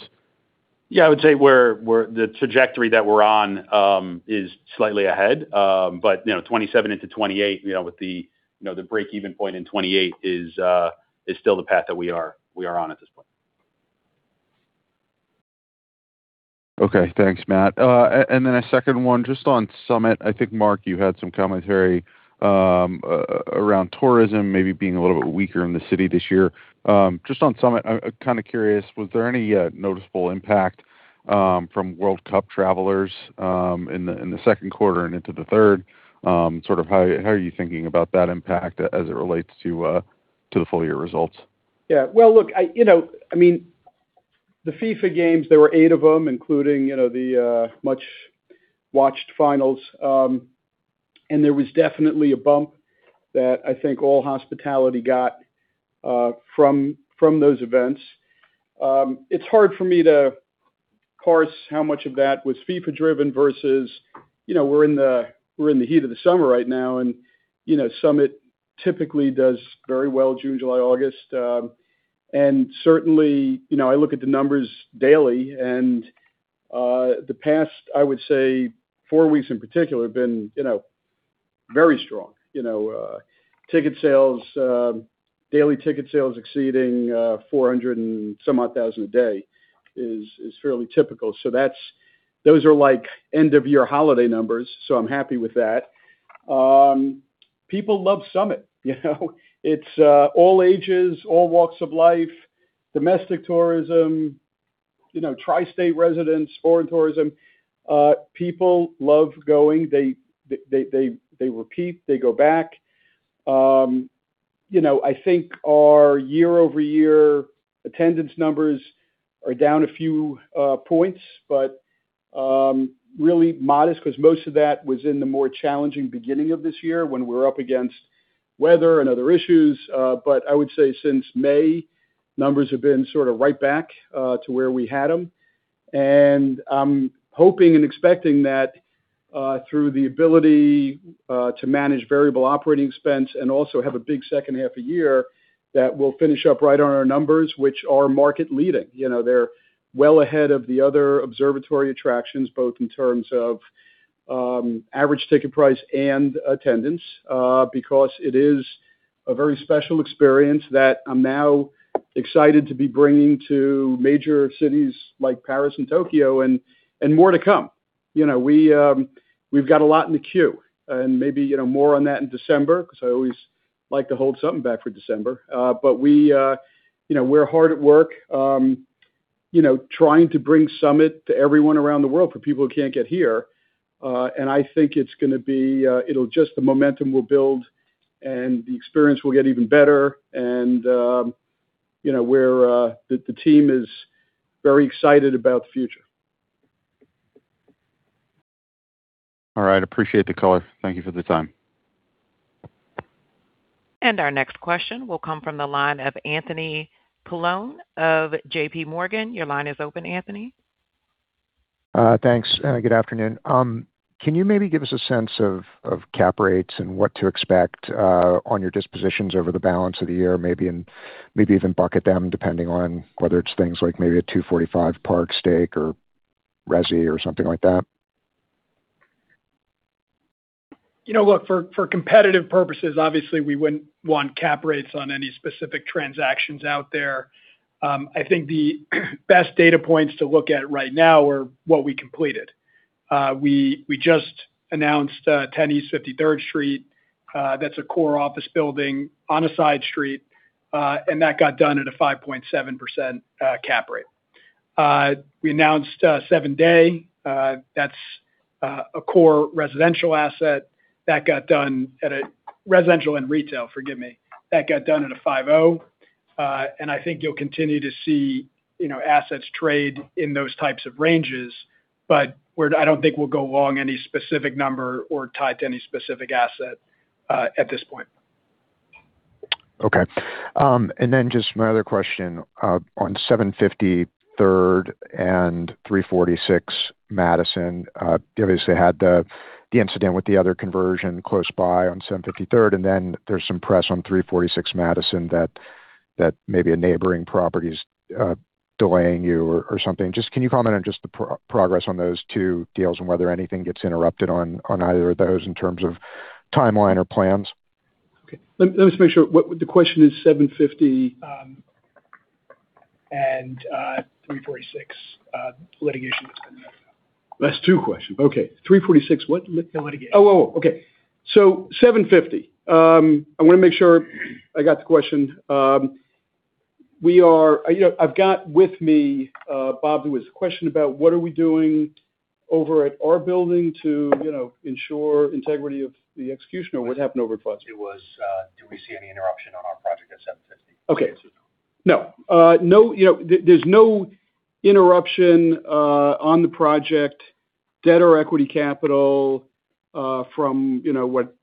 Yeah. I would say the trajectory that we're on is slightly ahead. 2027 into 2028, with the breakeven point in 2028 is still the path that we are on at this point. Okay. Thanks, Matt. Then a second one, just on SUMMIT. I think, Marc, you had some commentary around tourism maybe being a little bit weaker in the city this year. Just on SUMMIT, I'm kind of curious, was there any noticeable impact from World Cup travelers in the Q2 and into the third? Sort of how are you thinking about that impact as it relates to the full-year results? Well, look, the FIFA games, there were eight of them, including the much-watched finals. There was definitely a bump that I think all hospitality got from those events. It's hard for me to parse how much of that was FIFA driven versus we're in the heat of the summer right now, and SUMMIT typically does very well June, July, August. Certainly, I look at the numbers daily, and the past, I would say, four weeks in particular have been very strong. Daily ticket sales exceeding 400,000 and some odd a day is fairly typical. Those are end-of-year holiday numbers, so I'm happy with that. People love SUMMIT. It's all ages, all walks of life, domestic tourism, tri-state residents, foreign tourism. People love going. They repeat, they go back. I think our year-over-year attendance numbers are down a few points, really modest because most of that was in the more challenging beginning of this year when we were up against weather and other issues. I would say since May, numbers have been sort of right back to where we had them. I'm hoping and expecting that through the ability to manage variable operating expense and also have a big second half a year, that we'll finish up right on our numbers, which are market leading. They're well ahead of the other observatory attractions, both in terms of average ticket price and attendance. It is a very special experience that I'm now excited to be bringing to major cities like Paris and Tokyo, and more to come. We've got a lot in the queue, maybe more on that in December, I always like to hold something back for December. We're hard at work trying to bring SUMMIT to everyone around the world for people who can't get here. I think it'll just, the momentum will build, and the experience will get even better. The team is very excited about the future. All right. Appreciate the color. Thank you for the time. Our next question will come from the line of Anthony Paolone of JPMorgan. Your line is open, Anthony. Thanks. Good afternoon. Can you maybe give us a sense of cap rates and what to expect on your dispositions over the balance of the year? Maybe even bucket them depending on whether it's things like maybe a 245 Park stake or resi, or something like that. Look, for competitive purposes, obviously, we wouldn't want cap rates on any specific transactions out there. I think the best data points to look at right now are what we completed. We just announced 10 East 53rd Street. That's a core office building on a side street. That got done at a 5.7% cap rate. We announced 7 Dey Street. That's a core residential asset. Residential and retail, forgive me. That got done at a 5.0%. I think you'll continue to see assets trade in those types of ranges. I don't think we'll go along any specific number or tie to any specific asset at this point. Okay. Just my other question. On 750 Third and 346 Madison, you obviously had the incident with the other conversion close by on 750 Third, there's some press on 346 Madison that maybe a neighboring property's delaying you or something. Can you comment on just the progress on those two deals and whether anything gets interrupted on either of those in terms of timeline or plans? Okay. Let me just make sure. The question is 750- 346 litigation that's been That's two questions. Okay. 346 what? The litigation. Oh, okay. 750. I want to make sure I got the question. I've got with me Bob, who has a question about what are we doing over at our building to ensure integrity of the execution, or what happened over at Fox? Do we see any interruption on our project at 750? Okay. No. There's no interruption on the project, debt or equity capital, from what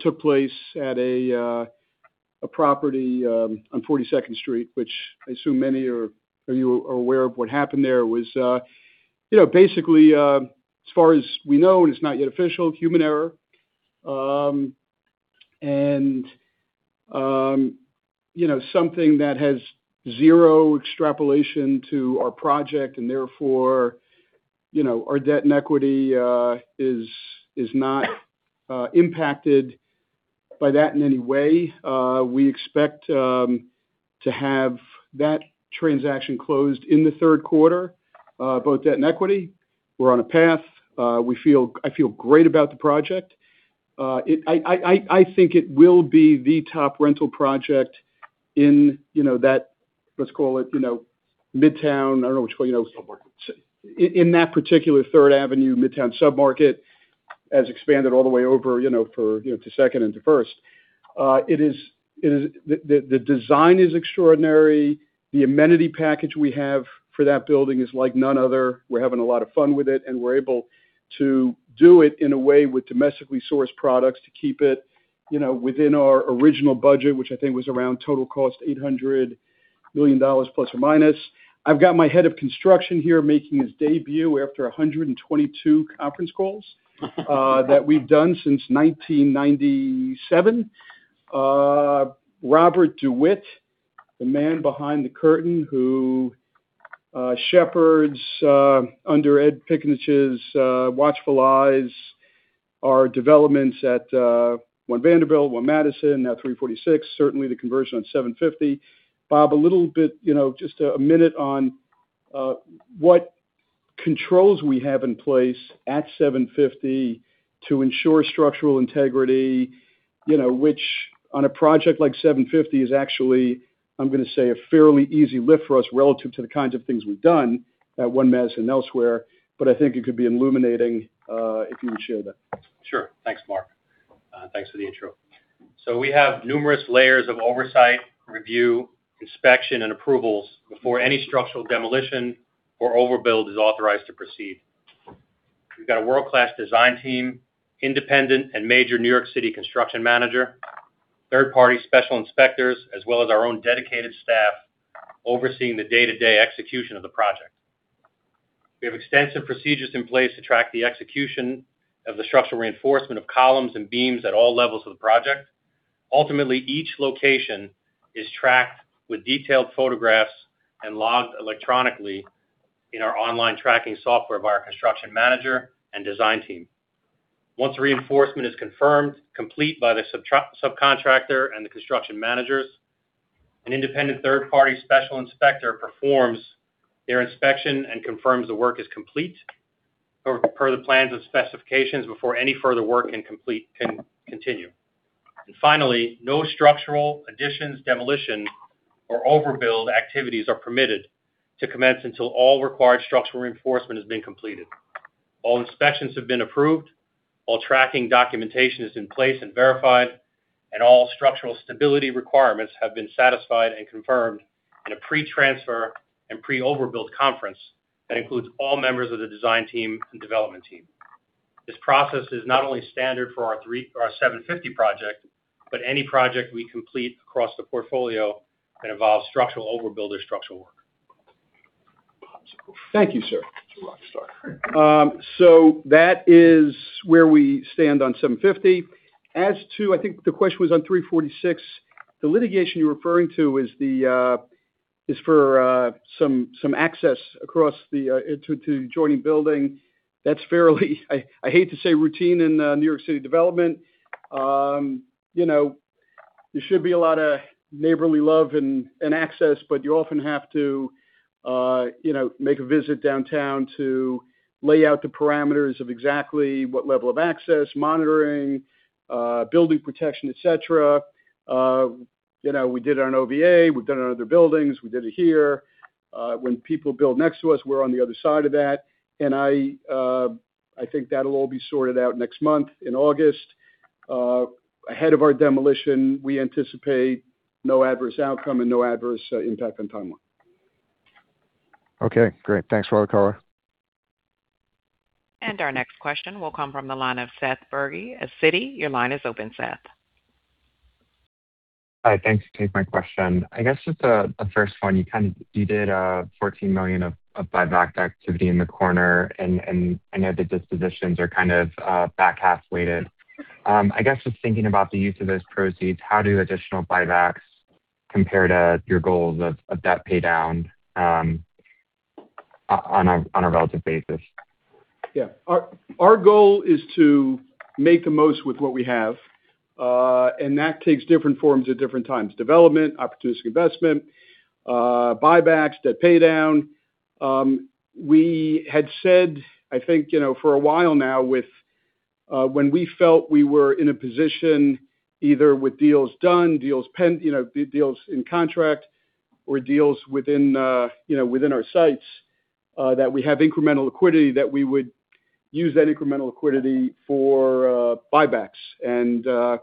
took place at a property on 42nd Street, which I assume many of you are aware of what happened there, was basically, as far as we know, and it's not yet official, human error. Something that has 0 extrapolation to our project and therefore our debt and equity is not impacted by that in any way. We expect to have that transaction closed in the Q3, both debt and equity. We're on a path. I feel great about the project. I think it will be the top rental project in that, let's call it, Midtown. I don't know which way- Submarket. In that particular Third Avenue Midtown submarket, as expanded all the way over to Second and to First. The design is extraordinary. The amenity package we have for that building is like none other. We're having a lot of fun with it, and we're able to do it in a way with domestically sourced products to keep it within our original budget, which I think was around total cost $800 million, plus or minus. I've got my head of construction here making his debut after 122 conference calls that we've done since 1997. Robert DeWitt, the man behind the curtain who shepherds under Edward Piccinich's watchful eyes, our developments at One Vanderbilt, One Madison, now 346, certainly the conversion on 750. Bob, a little bit, just a minute on what controls we have in place at 750 to ensure structural integrity, which on a project like 750 is actually, I'm going to say, a fairly easy lift for us relative to the kinds of things we've done at One Madison, elsewhere. I think it could be illuminating if you would share that. Sure. Thanks, Marc. Thanks for the intro. We have numerous layers of oversight, review, inspection, and approvals before any structural demolition or overbuild is authorized to proceed. We've got a world-class design team, independent and major New York City construction manager, third-party special inspectors, as well as our own dedicated staff overseeing the day-to-day execution of the project. We have extensive procedures in place to track the execution of the structural reinforcement of columns and beams at all levels of the project. Ultimately, each location is tracked with detailed photographs and logged electronically in our online tracking software by our construction manager and design team. Once the reinforcement is confirmed complete by the subcontractor and the construction managers, an independent third-party special inspector performs their inspection and confirms the work is complete per the plans and specifications before any further work can continue. Finally, no structural additions, demolition, or overbuild activities are permitted to commence until all required structural reinforcement has been completed, all inspections have been approved, all tracking documentation is in place and verified, and all structural stability requirements have been satisfied and confirmed in a pre-transfer and pre-overbuild conference that includes all members of the design team and development team. This process is not only standard for our 750 project, but any project we complete across the portfolio that involves structural overbuild or structural work. Thank you, sir. You're a rock star. That is where we stand on 750. As to, I think the question was on 346, the litigation you're referring to is for some access across the adjoining building. That's fairly I hate to say routine in New York City development. There should be a lot of neighborly love and access, but you often have to make a visit downtown to lay out the parameters of exactly what level of access, monitoring, building protection, et cetera. We did it on OVA, we've done it on other buildings, we did it here. When people build next to us, we're on the other side of that, and I think that'll all be sorted out next month in August. Ahead of our demolition, we anticipate no adverse outcome and no adverse impact on timeline. Okay, great. Thanks. Our next question will come from the line of Seth Bergey at Citi. Your line is open, Seth. Hi, thanks. To take my question. I guess just the first one, you did a $14 million of buyback activity in the quarter, and I know the dispositions are kind of back half weighted. I guess just thinking about the use of those proceeds, how do additional buybacks compare to your goals of debt paydown? On a relative basis. Yeah. Our goal is to make the most with what we have. That takes different forms at different times. Development, opportunistic investment, buybacks, debt paydown. We had said, I think, for a while now, when we felt we were in a position either with deals done, deals in contract, or deals within our sites, that we have incremental liquidity, that we would use that incremental liquidity for buybacks.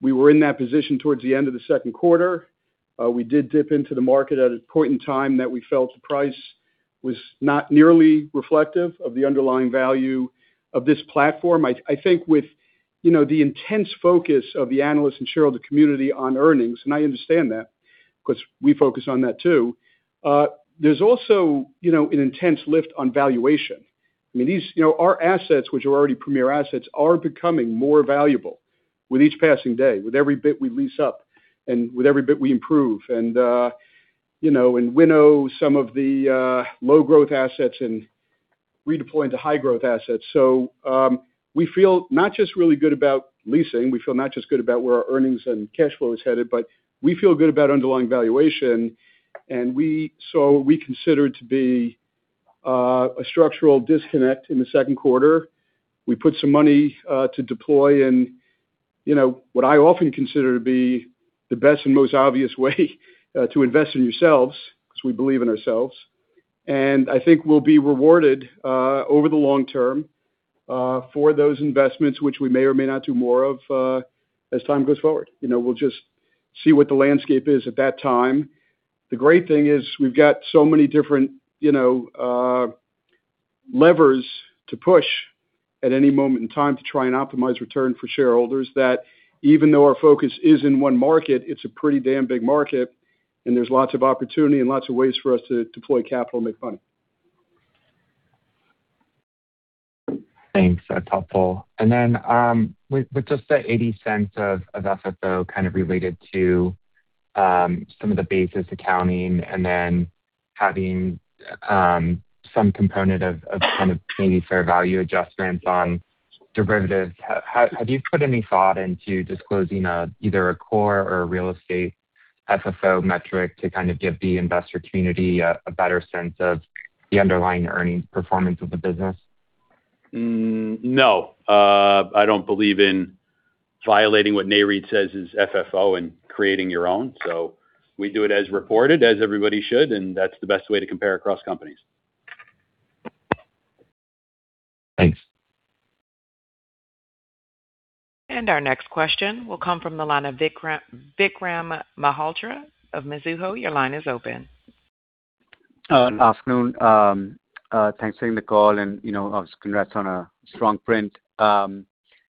We were in that position towards the end of the Q2. We did dip into the market at a point in time that we felt the price was not nearly reflective of the underlying value of this platform. I think with the intense focus of the analysts and shareholder community on earnings, and I understand that because we focus on that too, there's also an intense lift on valuation. Our assets, which are already premier assets, are becoming more valuable with each passing day, with every bit we lease up and with every bit we improve. Winnow some of the low-growth assets and redeploy into high-growth assets. We feel not just really good about leasing, we feel not just good about where our earnings and cash flow is headed, but we feel good about underlying valuation. We saw what we consider to be a structural disconnect in the Q2. We put some money to deploy, and what I often consider to be the best and most obvious way to invest in yourselves, because we believe in ourselves. I think we'll be rewarded over the long term for those investments, which we may or may not do more of as time goes forward. We'll just see what the landscape is at that time. The great thing is we've got so many different levers to push at any moment in time to try and optimize return for shareholders, that even though our focus is in one market, it's a pretty damn big market, and there's lots of opportunity and lots of ways for us to deploy capital and make money. Thanks. That's helpful. Then, with just the $0.80 of FFO kind of related to some of the basis accounting and then having some component of kind of maybe fair value adjustments on derivatives, have you put any thought into disclosing either a core or a real estate FFO metric to kind of give the investor community a better sense of the underlying earnings performance of the business? No. I don't believe in violating what NAREIT says is FFO and creating your own. We do it as reported, as everybody should, and that's the best way to compare across companies. Thanks. Our next question will come from the line of Vikram Malhotra of Mizuho. Your line is open. Good afternoon. Thanks for taking the call and congrats on a strong print.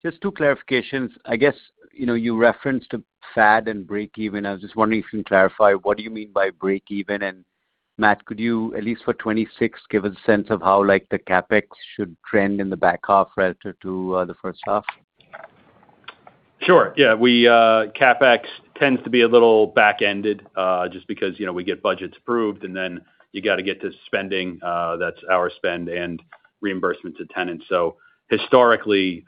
Just two clarifications. I guess, you referenced FAD and break even. I was just wondering if you can clarify what do you mean by break even? Matt, could you, at least for 2026, give us a sense of how the CapEx should trend in the back half relative to the first half? Sure, yeah. CapEx tends to be a little back-ended, just because we get budgets approved and then you got to get to spending. That's our spend and reimbursement to tenants. Historically,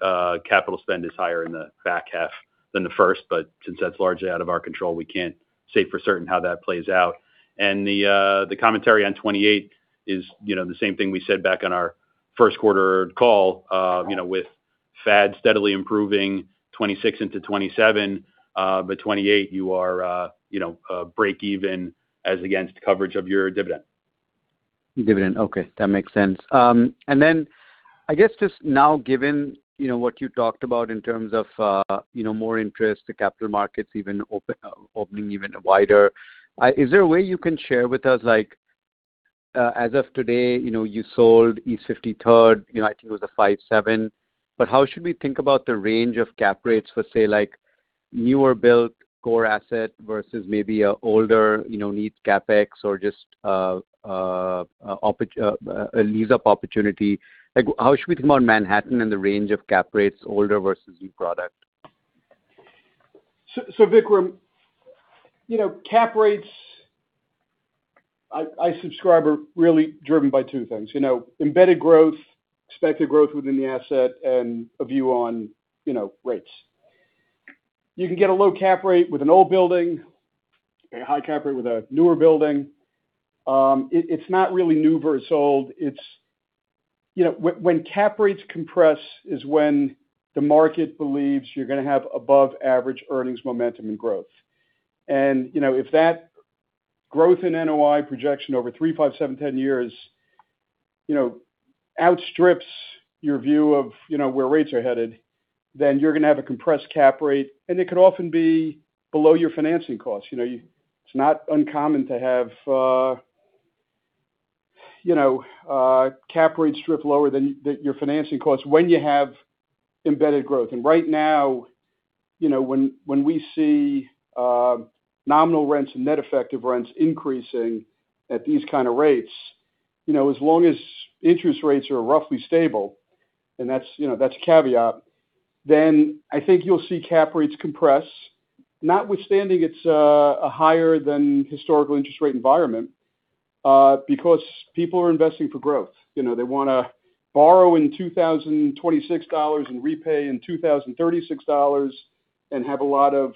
capital spend is higher in the back half than the first, but since that's largely out of our control, we can't say for certain how that plays out. The commentary on 2028 is the same thing we said back on our Q1 call. With FAD steadily improving 2026 into 2027, by 2028 you are break even as against coverage of your dividend. Dividend, okay. That makes sense. I guess just now given what you talked about in terms of more interest, the capital markets opening even wider, is there a way you can share with us, like as of today, you sold East 53rd, I think it was a 5%-7%, but how should we think about the range of cap rates for, say, like newer build core asset versus maybe a older needs CapEx or just a lease-up opportunity? How should we think about Manhattan and the range of cap rates, older versus new product? Vikram, cap rates, I subscribe, are really driven by two things: embedded growth, expected growth within the asset, and a view on rates. You can get a low cap rate with an old building, a high cap rate with a newer building. It is not really new versus old. When cap rates compress is when the market believes you are going to have above-average earnings momentum and growth. If that growth in NOI projection over three, five, seven, 10 years outstrips your view of where rates are headed, then you are going to have a compressed cap rate, and it could often be below your financing cost. It is not uncommon to have cap rates strip lower than your financing costs when you have embedded growth. Right now, when we see nominal rents and net effective rents increasing at these kind of rates, as long as interest rates are roughly stable, and that is a caveat. I think you will see cap rates compress, notwithstanding it is a higher than historical interest rate environment, because people are investing for growth. They want to borrow in $2026 and repay in $2036 and have a lot of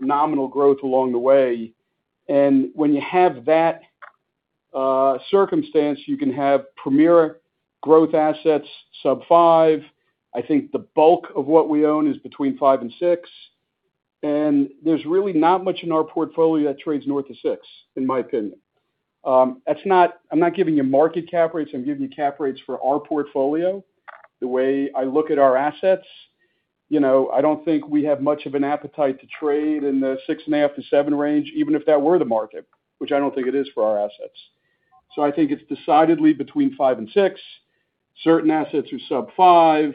nominal growth along the way. When you have that circumstance, you can have premier growth assets, sub five. I think the bulk of what we own is between five and six, and there is really not much in our portfolio that trades north of six, in my opinion. I am not giving you market cap rates, I am giving you cap rates for our portfolio. The way I look at our assets, I do not think we have much of an appetite to trade in the six and a half to seven range, even if that were the market, which I do not think it is for our assets. I think it is decidedly between five and six. Certain assets are sub five.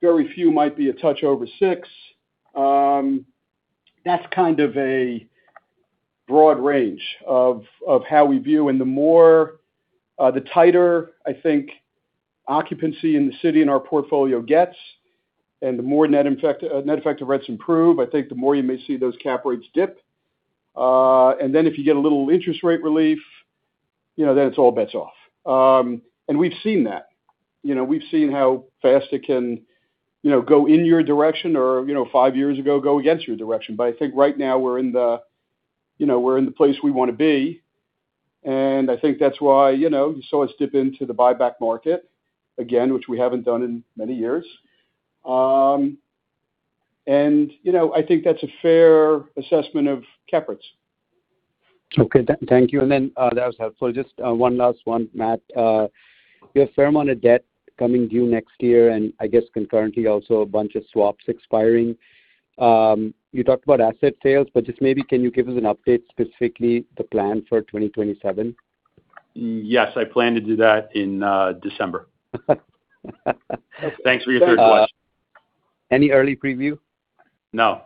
Very few might be a touch over six. That is kind of a broad range of how we view. The tighter I think occupancy in the city and our portfolio gets, and the more net effective rents improve, I think the more you may see those cap rates dip. Then if you get a little interest rate relief, then it is all bets off. We have seen that. We have seen how fast it can go in your direction or five years ago, go against your direction. I think right now we are in the place we want to be, and I think that is why you saw us dip into the buyback market again, which we have not done in many years. I think that is a fair assessment of cap rates. Okay, thank you. That was helpful. Just one last one, Matt. You have a fair amount of debt coming due next year, and I guess concurrently, also a bunch of swaps expiring. You talked about asset sales, but just maybe can you give us an update, specifically the plan for 2027? Yes, I plan to do that in December. Thanks for your third question. Any early preview? No.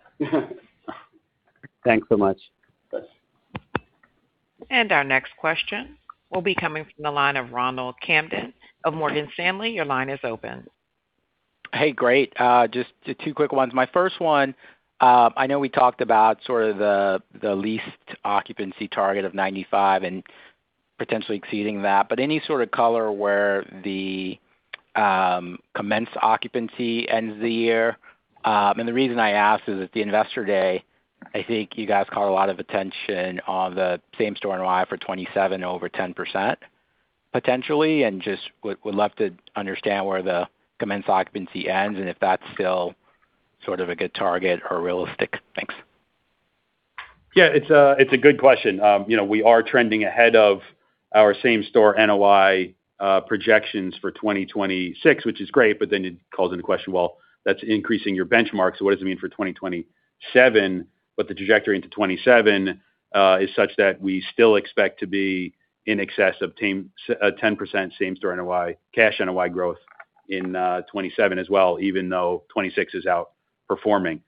Thanks so much. Yes. Our next question will be coming from the line of Ronald Kamdem of Morgan Stanley. Your line is open. Hey, great. Just two quick ones. My first one, I know we talked about sort of the leased occupancy target of 95 and potentially exceeding that, but any sort of color where the commenced occupancy ends the year? The reason I ask is at the investor day, I think you guys caught a lot of attention on the same store NOI for 2027 over 10%, potentially, just would love to understand where the commenced occupancy ends and if that's still sort of a good target or realistic. Thanks. Yeah, it's a good question. We are trending ahead of our same store NOI projections for 2026, which is great, then it calls into question, well, that's increasing your benchmarks. What does it mean for 2027? The trajectory into 2027 is such that we still expect to be in excess of 10% same store NOI, cash NOI growth in 2027 as well, even though 2026 is outperforming.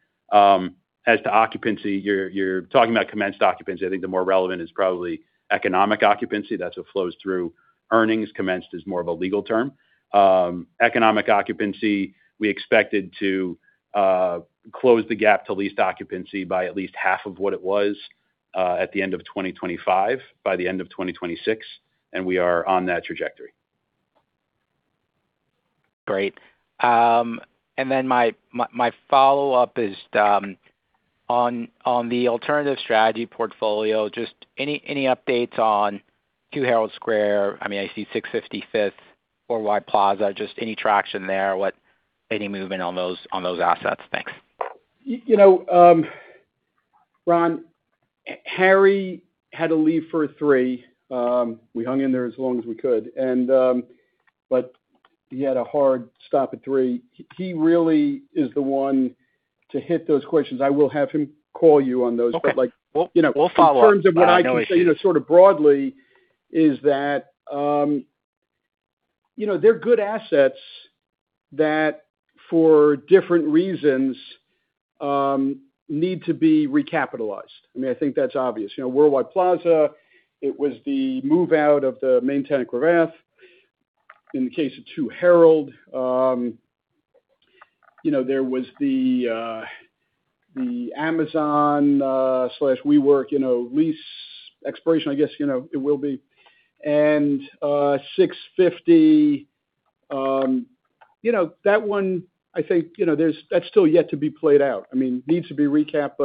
As to occupancy, you're talking about commenced occupancy. I think the more relevant is probably economic occupancy. That's what flows through earnings. Commenced is more of a legal term. Economic occupancy, we expected to close the gap to leased occupancy by at least half of what it was at the end of 2025, by the end of 2026, we are on that trajectory. Great. Then my follow-up is on the alternative strategy portfolio. Just any updates on 2 Herald Square? I see 650 Fifth, Worldwide Plaza, just any traction there? Any movement on those assets? Thanks. Ron, Harry had to leave for 3:00. We hung in there as long as we could. He had a hard stop at 3:00. He really is the one to hit those questions. I will have him call you on those. Okay. We'll follow up. No issue. In terms of what I can say sort of broadly, is that they're good assets that for different reasons, need to be recapitalized. I think that's obvious. Worldwide Plaza, it was the move out of the main tenant, Cravath. In the case of 2 Herald, there was the Amazon/WeWork lease expiration, I guess it will be. 650, that one, I think that's still yet to be played out. Needs to be recapped,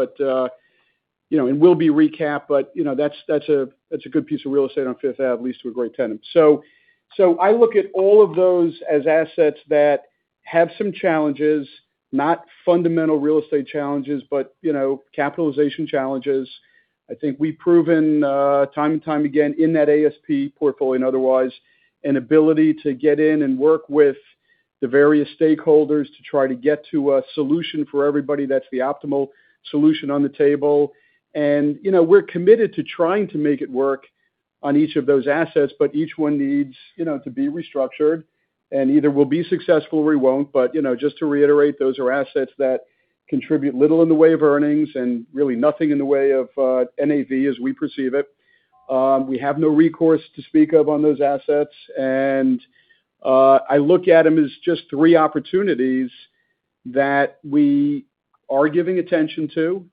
and will be recapped, but that's a good piece of real estate on Fifth Ave, leased to a great tenant. I look at all of those as assets that have some challenges, not fundamental real estate challenges, but capitalization challenges. I think we've proven time and time again in that ASP portfolio and otherwise, an ability to get in and work with the various stakeholders to try to get to a solution for everybody that's the optimal solution on the table. We're committed to trying to make it work on each of those assets, but each one needs to be restructured, and either we'll be successful or we won't. Just to reiterate, those are assets that Contribute little in the way of earnings and really nothing in the way of NAV as we perceive it. We have no recourse to speak of on those assets, and I look at them as just three opportunities that we are giving attention to.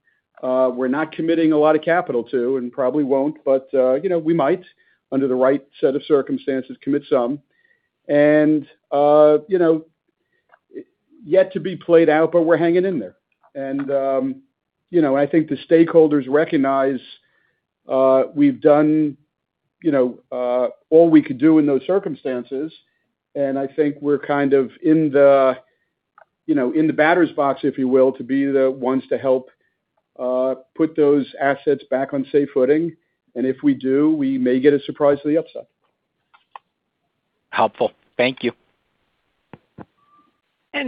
We're not committing a lot of capital to, and probably won't, but we might, under the right set of circumstances, commit some. Yet to be played out, but we're hanging in there. I think the stakeholders recognize we've done all we could do in those circumstances, and I think we're kind of in the batter's box, if you will, to be the ones to help put those assets back on safe footing. If we do, we may get a surprise to the upside. Helpful. Thank you.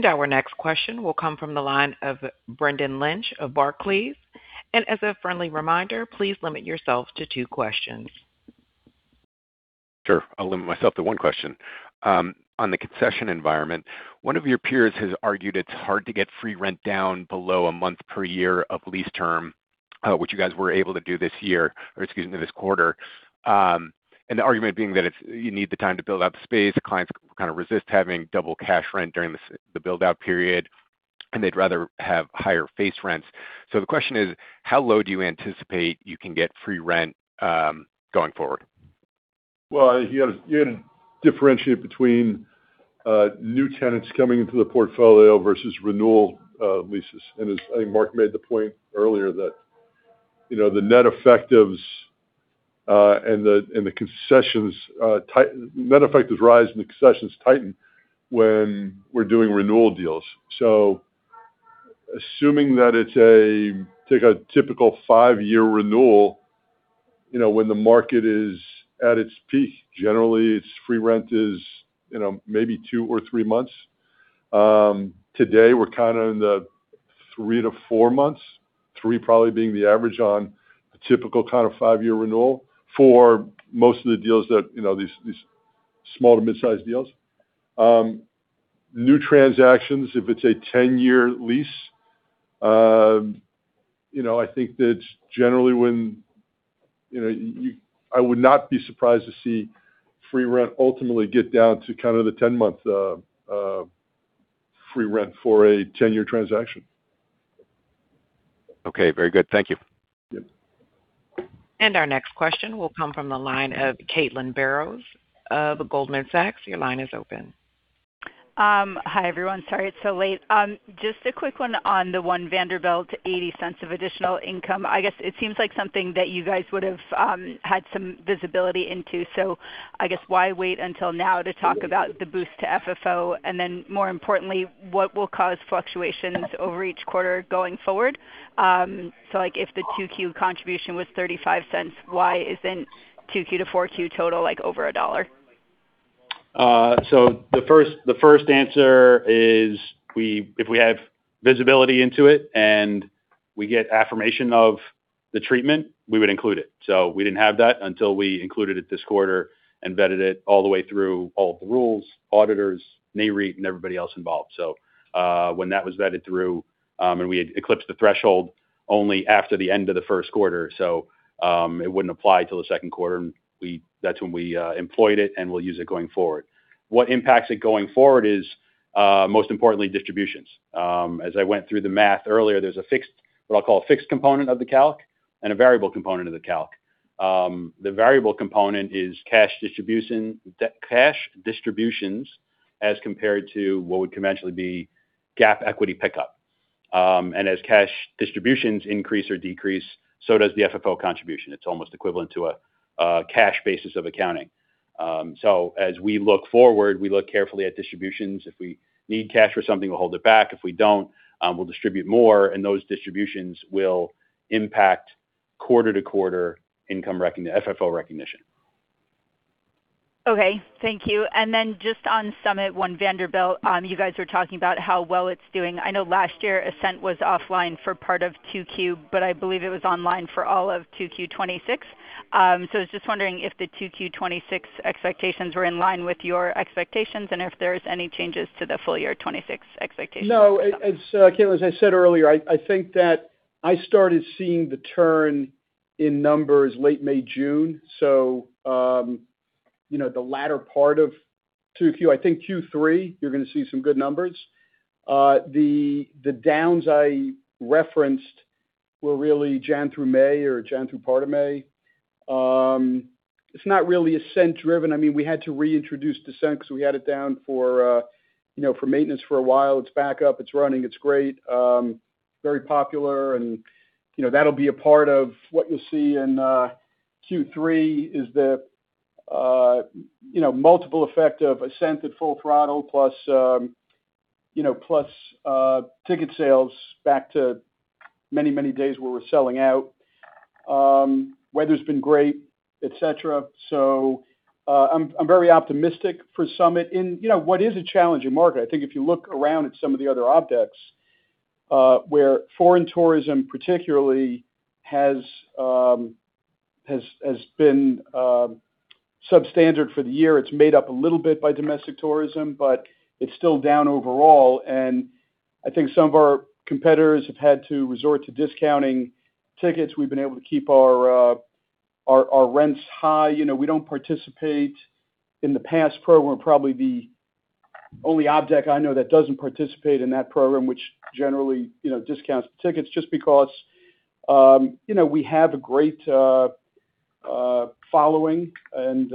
Our next question will come from the line of Brendan Lynch of Barclays. As a friendly reminder, please limit yourself to two questions. Sure. I'll limit myself to one question. On the concession environment, one of your peers has argued it's hard to get free rent down below a month per year of lease term, which you guys were able to do this quarter. The argument being that if you need the time to build out the space, the clients kind of resist having double cash rent during the build-out period, and they'd rather have higher face rents. The question is, how low do you anticipate you can get free rent going forward? You got to differentiate between new tenants coming into the portfolio versus renewal leases. I think Marc made the point earlier that the net effectives rise and the concessions tighten when we're doing renewal deals. Assuming that it's a typical five-year renewal, when the market is at its peak, generally its free rent is maybe 2-3 months. Today, we're kind of in the 3-4 months, three probably being the average on a typical kind of five-year renewal for most of these small to mid-size deals. New transactions, if it's a 10-year lease, I think that generally I would not be surprised to see free rent ultimately get down to kind of the 10-month free rent for a 10-year transaction. Okay. Very good. Thank you. Yep. Our next question will come from the line of Caitlin Burrows of Goldman Sachs. Your line is open. Hi, everyone. Sorry it's so late. Just a quick one on the One Vanderbilt's $0.80 of additional income. I guess it seems like something that you guys would have had some visibility into. I guess why wait until now to talk about the boost to FFO? Then more importantly, what will cause fluctuations over each quarter going forward? Like if the Q2 contribution was $0.35, why isn't Q2 to Q4 total like over $1? The first answer is, if we have visibility into it and we get affirmation of the treatment, we would include it. We didn't have that until we included it this quarter and vetted it all the way through all of the rules, auditors, NAREIT, and everybody else involved. When that was vetted through, and we had eclipsed the threshold only after the end of the Q1, it wouldn't apply till the Q2, and that's when we employed it, and we'll use it going forward. What impacts it going forward is most importantly distributions. As I went through the math earlier, there's what I'll call a fixed component of the calc and a variable component of the calc. The variable component is cash distributions as compared to what would conventionally be GAAP equity pickup. As cash distributions increase or decrease, so does the FFO contribution. It's almost equivalent to a cash basis of accounting. As we look forward, we look carefully at distributions. If we need cash for something, we'll hold it back. If we don't, we'll distribute more, and those distributions will impact quarter-to-quarter FFO recognition. Okay. Thank you. Just on SUMMIT One Vanderbilt, you guys were talking about how well it's doing. I know last year, Ascent was offline for part of Q2, but I believe it was online for all of Q2 2026. I was just wondering if the Q2 2026 expectations were in line with your expectations, and if there's any changes to the full-year 2026 expectations. No. Caitlin, as I said earlier, I think that I started seeing the turn in numbers late May, June. The latter part of Q2. I think Q3, you're going to see some good numbers. The downs I referenced were really January through May, or January through part of May. It's not really Ascent driven. We had to reintroduce Descent because we had it down for maintenance for a while. It's back up, it's running, it's great. Very popular, and that'll be a part of what you'll see in Q3 is the multiple effect of Ascent at full throttle, plus ticket sales back to many days where we're selling out. Weather's been great, et cetera. I'm very optimistic for SUMMIT in what is a challenging market. I think if you look around at some of the other objects where foreign tourism particularly has been substandard for the year. It's made up a little bit by domestic tourism, but it's still down overall. I think some of our competitors have had to resort to discounting tickets. We've been able to keep our rents high. We don't participate in the Pass program, probably the only object I know that doesn't participate in that program, which generally discounts the tickets, just because we have a great following, and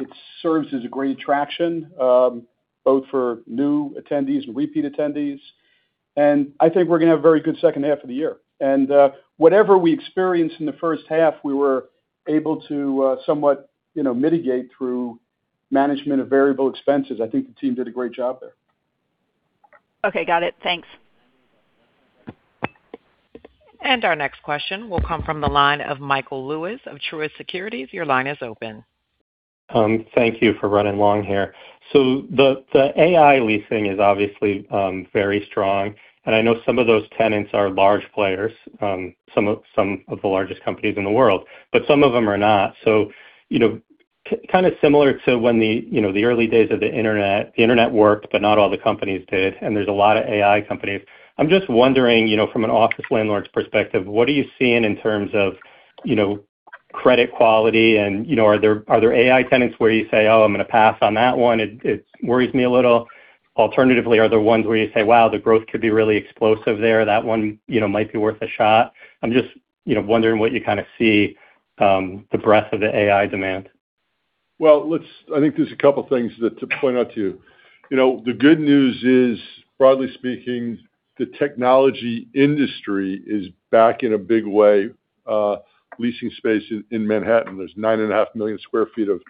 it serves as a great attraction both for new attendees and repeat attendees. I think we're going to have a very good second half of the year. Whatever we experienced in the first half, we were able to somewhat mitigate through management of variable expenses. I think the team did a great job there. Okay. Got it. Thanks. Our next question will come from the line of Michael Lewis of Truist Securities. Your line is open. Thank you for running long here. The AI leasing is obviously very strong, I know some of those tenants are large players, some of the largest companies in the world, but some of them are not. Kind of similar to when the early days of the internet, the internet worked, but not all the companies did, there's a lot of AI companies. I'm just wondering, from an office landlord's perspective, what are you seeing in terms of credit quality, and are there AI tenants where you say, "Oh, I'm going to pass on that one. It worries me a little." Alternatively, are there ones where you say, "Wow, the growth could be really explosive there. That one might be worth a shot." I'm just wondering what you kind of see the breadth of the AI demand. I think there's a couple things to point out to you. The good news is, broadly speaking, the technology industry is back in a big way leasing space in Manhattan. There's 9.5 million square feet of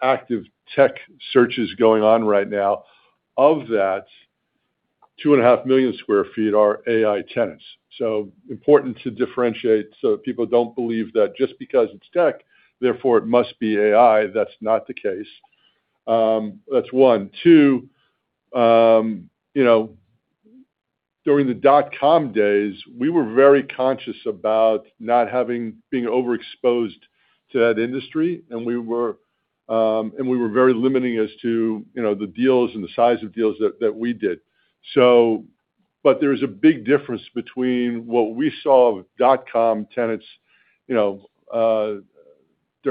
active tech searches going on right now. Of that, 2.5 million sq ft are AI tenants. Important to differentiate so that people don't believe that just because it's tech, therefore it must be AI. That's not the case. That's one. Two, during the dot-com days, we were very conscious about not being overexposed to that industry, and we were very limiting as to the deals and the size of deals that we did. There's a big difference between what we saw with dot-com tenants during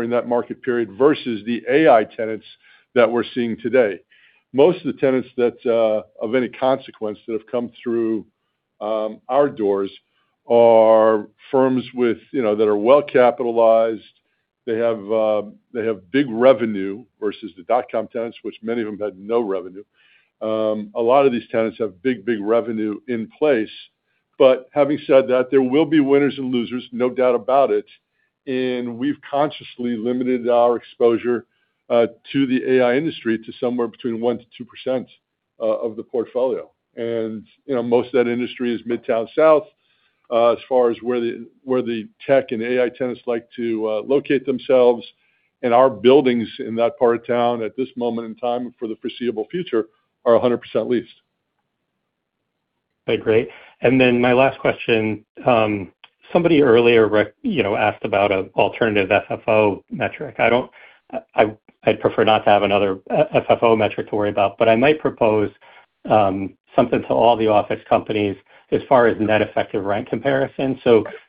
that market period versus the AI tenants that we're seeing today. Most of the tenants that of any consequence that have come through our doors are firms that are well-capitalized. They have big revenue versus the dot-com tenants, which many of them had no revenue. A lot of these tenants have big revenue in place. Having said that, there will be winners and losers, no doubt about it, and we've consciously limited our exposure to the AI industry to somewhere between 1%-2% of the portfolio. Most of that industry is Midtown South, as far as where the tech and AI tenants like to locate themselves. Our buildings in that part of town, at this moment in time, and for the foreseeable future, are 100% leased. Okay. Great. My last question. Somebody earlier asked about an alternative FFO metric. I'd prefer not to have another FFO metric to worry about, I might propose something to all the office companies as far as net effective rent comparison.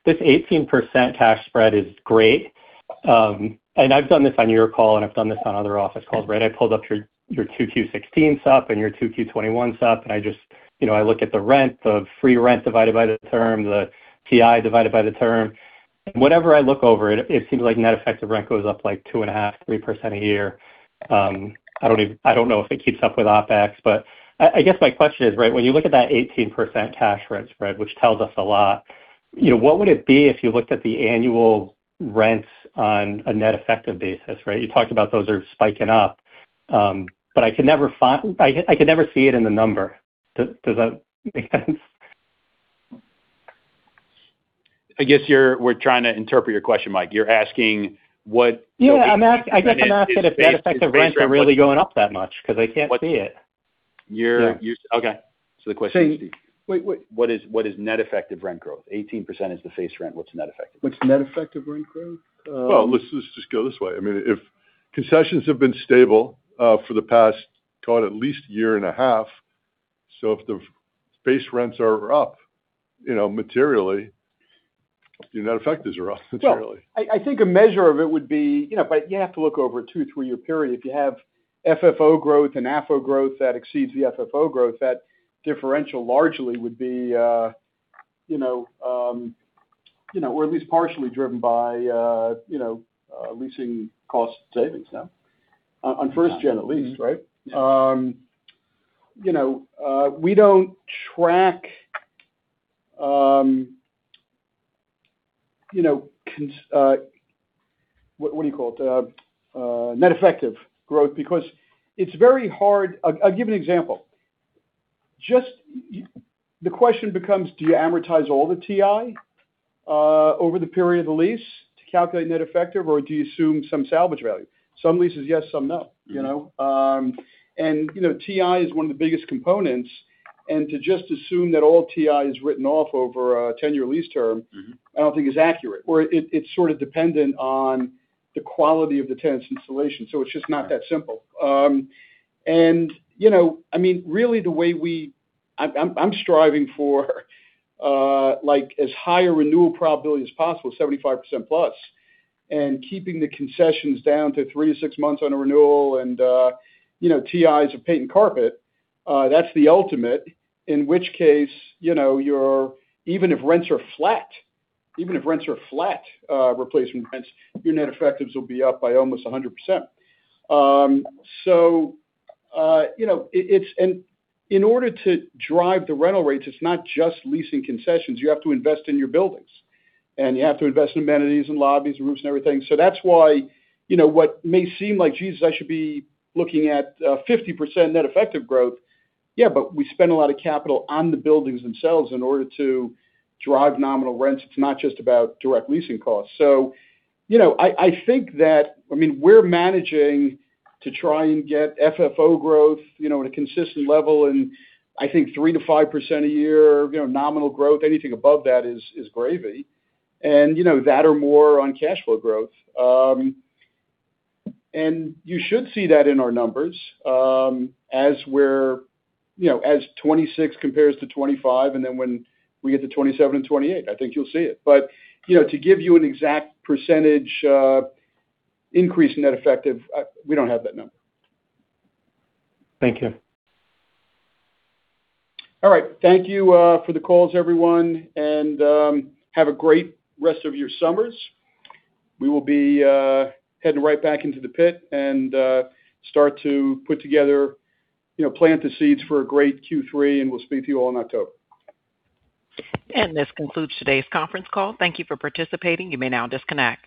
This 18% cash spread is great. I've done this on your call, and I've done this on other office calls, right? I pulled up your Q2 2016 stuff and your Q2 2021 stuff, and I look at the rent, the free rent divided by the term, the TI divided by the term. Whenever I look over it seems like net effective rent goes up like 2.5%, 3% a year. I don't know if it keeps up with OpEx, I guess my question is, when you look at that 18% cash rent spread, which tells us a lot, what would it be if you looked at the annual rents on a net effective basis, right? You talked about those are spiking up. I could never see it in the number. Does that make sense? I guess we're trying to interpret your question, Mike. You're asking what? Yeah. I guess I'm asking if net effective rents are really going up that much because I can't see it. Okay. The question. What is net effective rent growth? 18% is the face rent. What's net effective rent? What's net effective rent growth? Let's just go this way. If concessions have been stable for the past, God, at least a year and a half, if the face rents are up materially, net effectives are up materially. I think a measure of it would be. You have to look over a two, three-year period. If you have FFO growth and AFFO growth that exceeds the FFO growth, that differential largely would be or at least partially driven by leasing cost savings now on first gen at least, right? Yeah. We don't track, what do you call it? Net effective growth because it's very hard. I'll give you an example. The question becomes, do you amortize all the TI over the period of the lease to calculate net effective, or do you assume some salvage value? Some leases yes, some no. TI is one of the biggest components. To just assume that all TI is written off over a 10-year lease term. I don't think is accurate, or it's sort of dependent on the quality of the tenant's installation. It's just not that simple. I'm striving for as high a renewal probability as possible, 75%+, and keeping the concessions down to three to six months on a renewal, and TIs of paint and carpet. That's the ultimate, in which case, even if rents are flat, replacement rents, your net effectives will be up by almost 100%. In order to drive the rental rates, it's not just leasing concessions. You have to invest in your buildings, and you have to invest in amenities and lobbies, roofs and everything. That's why what may seem like, jeez, I should be looking at 50% net effective growth. Yeah, we spend a lot of capital on the buildings themselves in order to drive nominal rents. It's not just about direct leasing costs. I think that we're managing to try and get FFO growth at a consistent level, I think 3%-5% a year nominal growth, anything above that is gravy, and that or more on cash flow growth. You should see that in our numbers, as 2026 compares to 2025, and then when we get to 2027 and 2028, I think you'll see it. To give you an exact percentage increase in net effective, we don't have that number. Thank you. All right. Thank you for the calls, everyone. Have a great rest of your summers. We will be heading right back into the pit and start to plant the seeds for a great Q3. We'll speak to you all in October. This concludes today's conference call. Thank you for participating. You may now disconnect.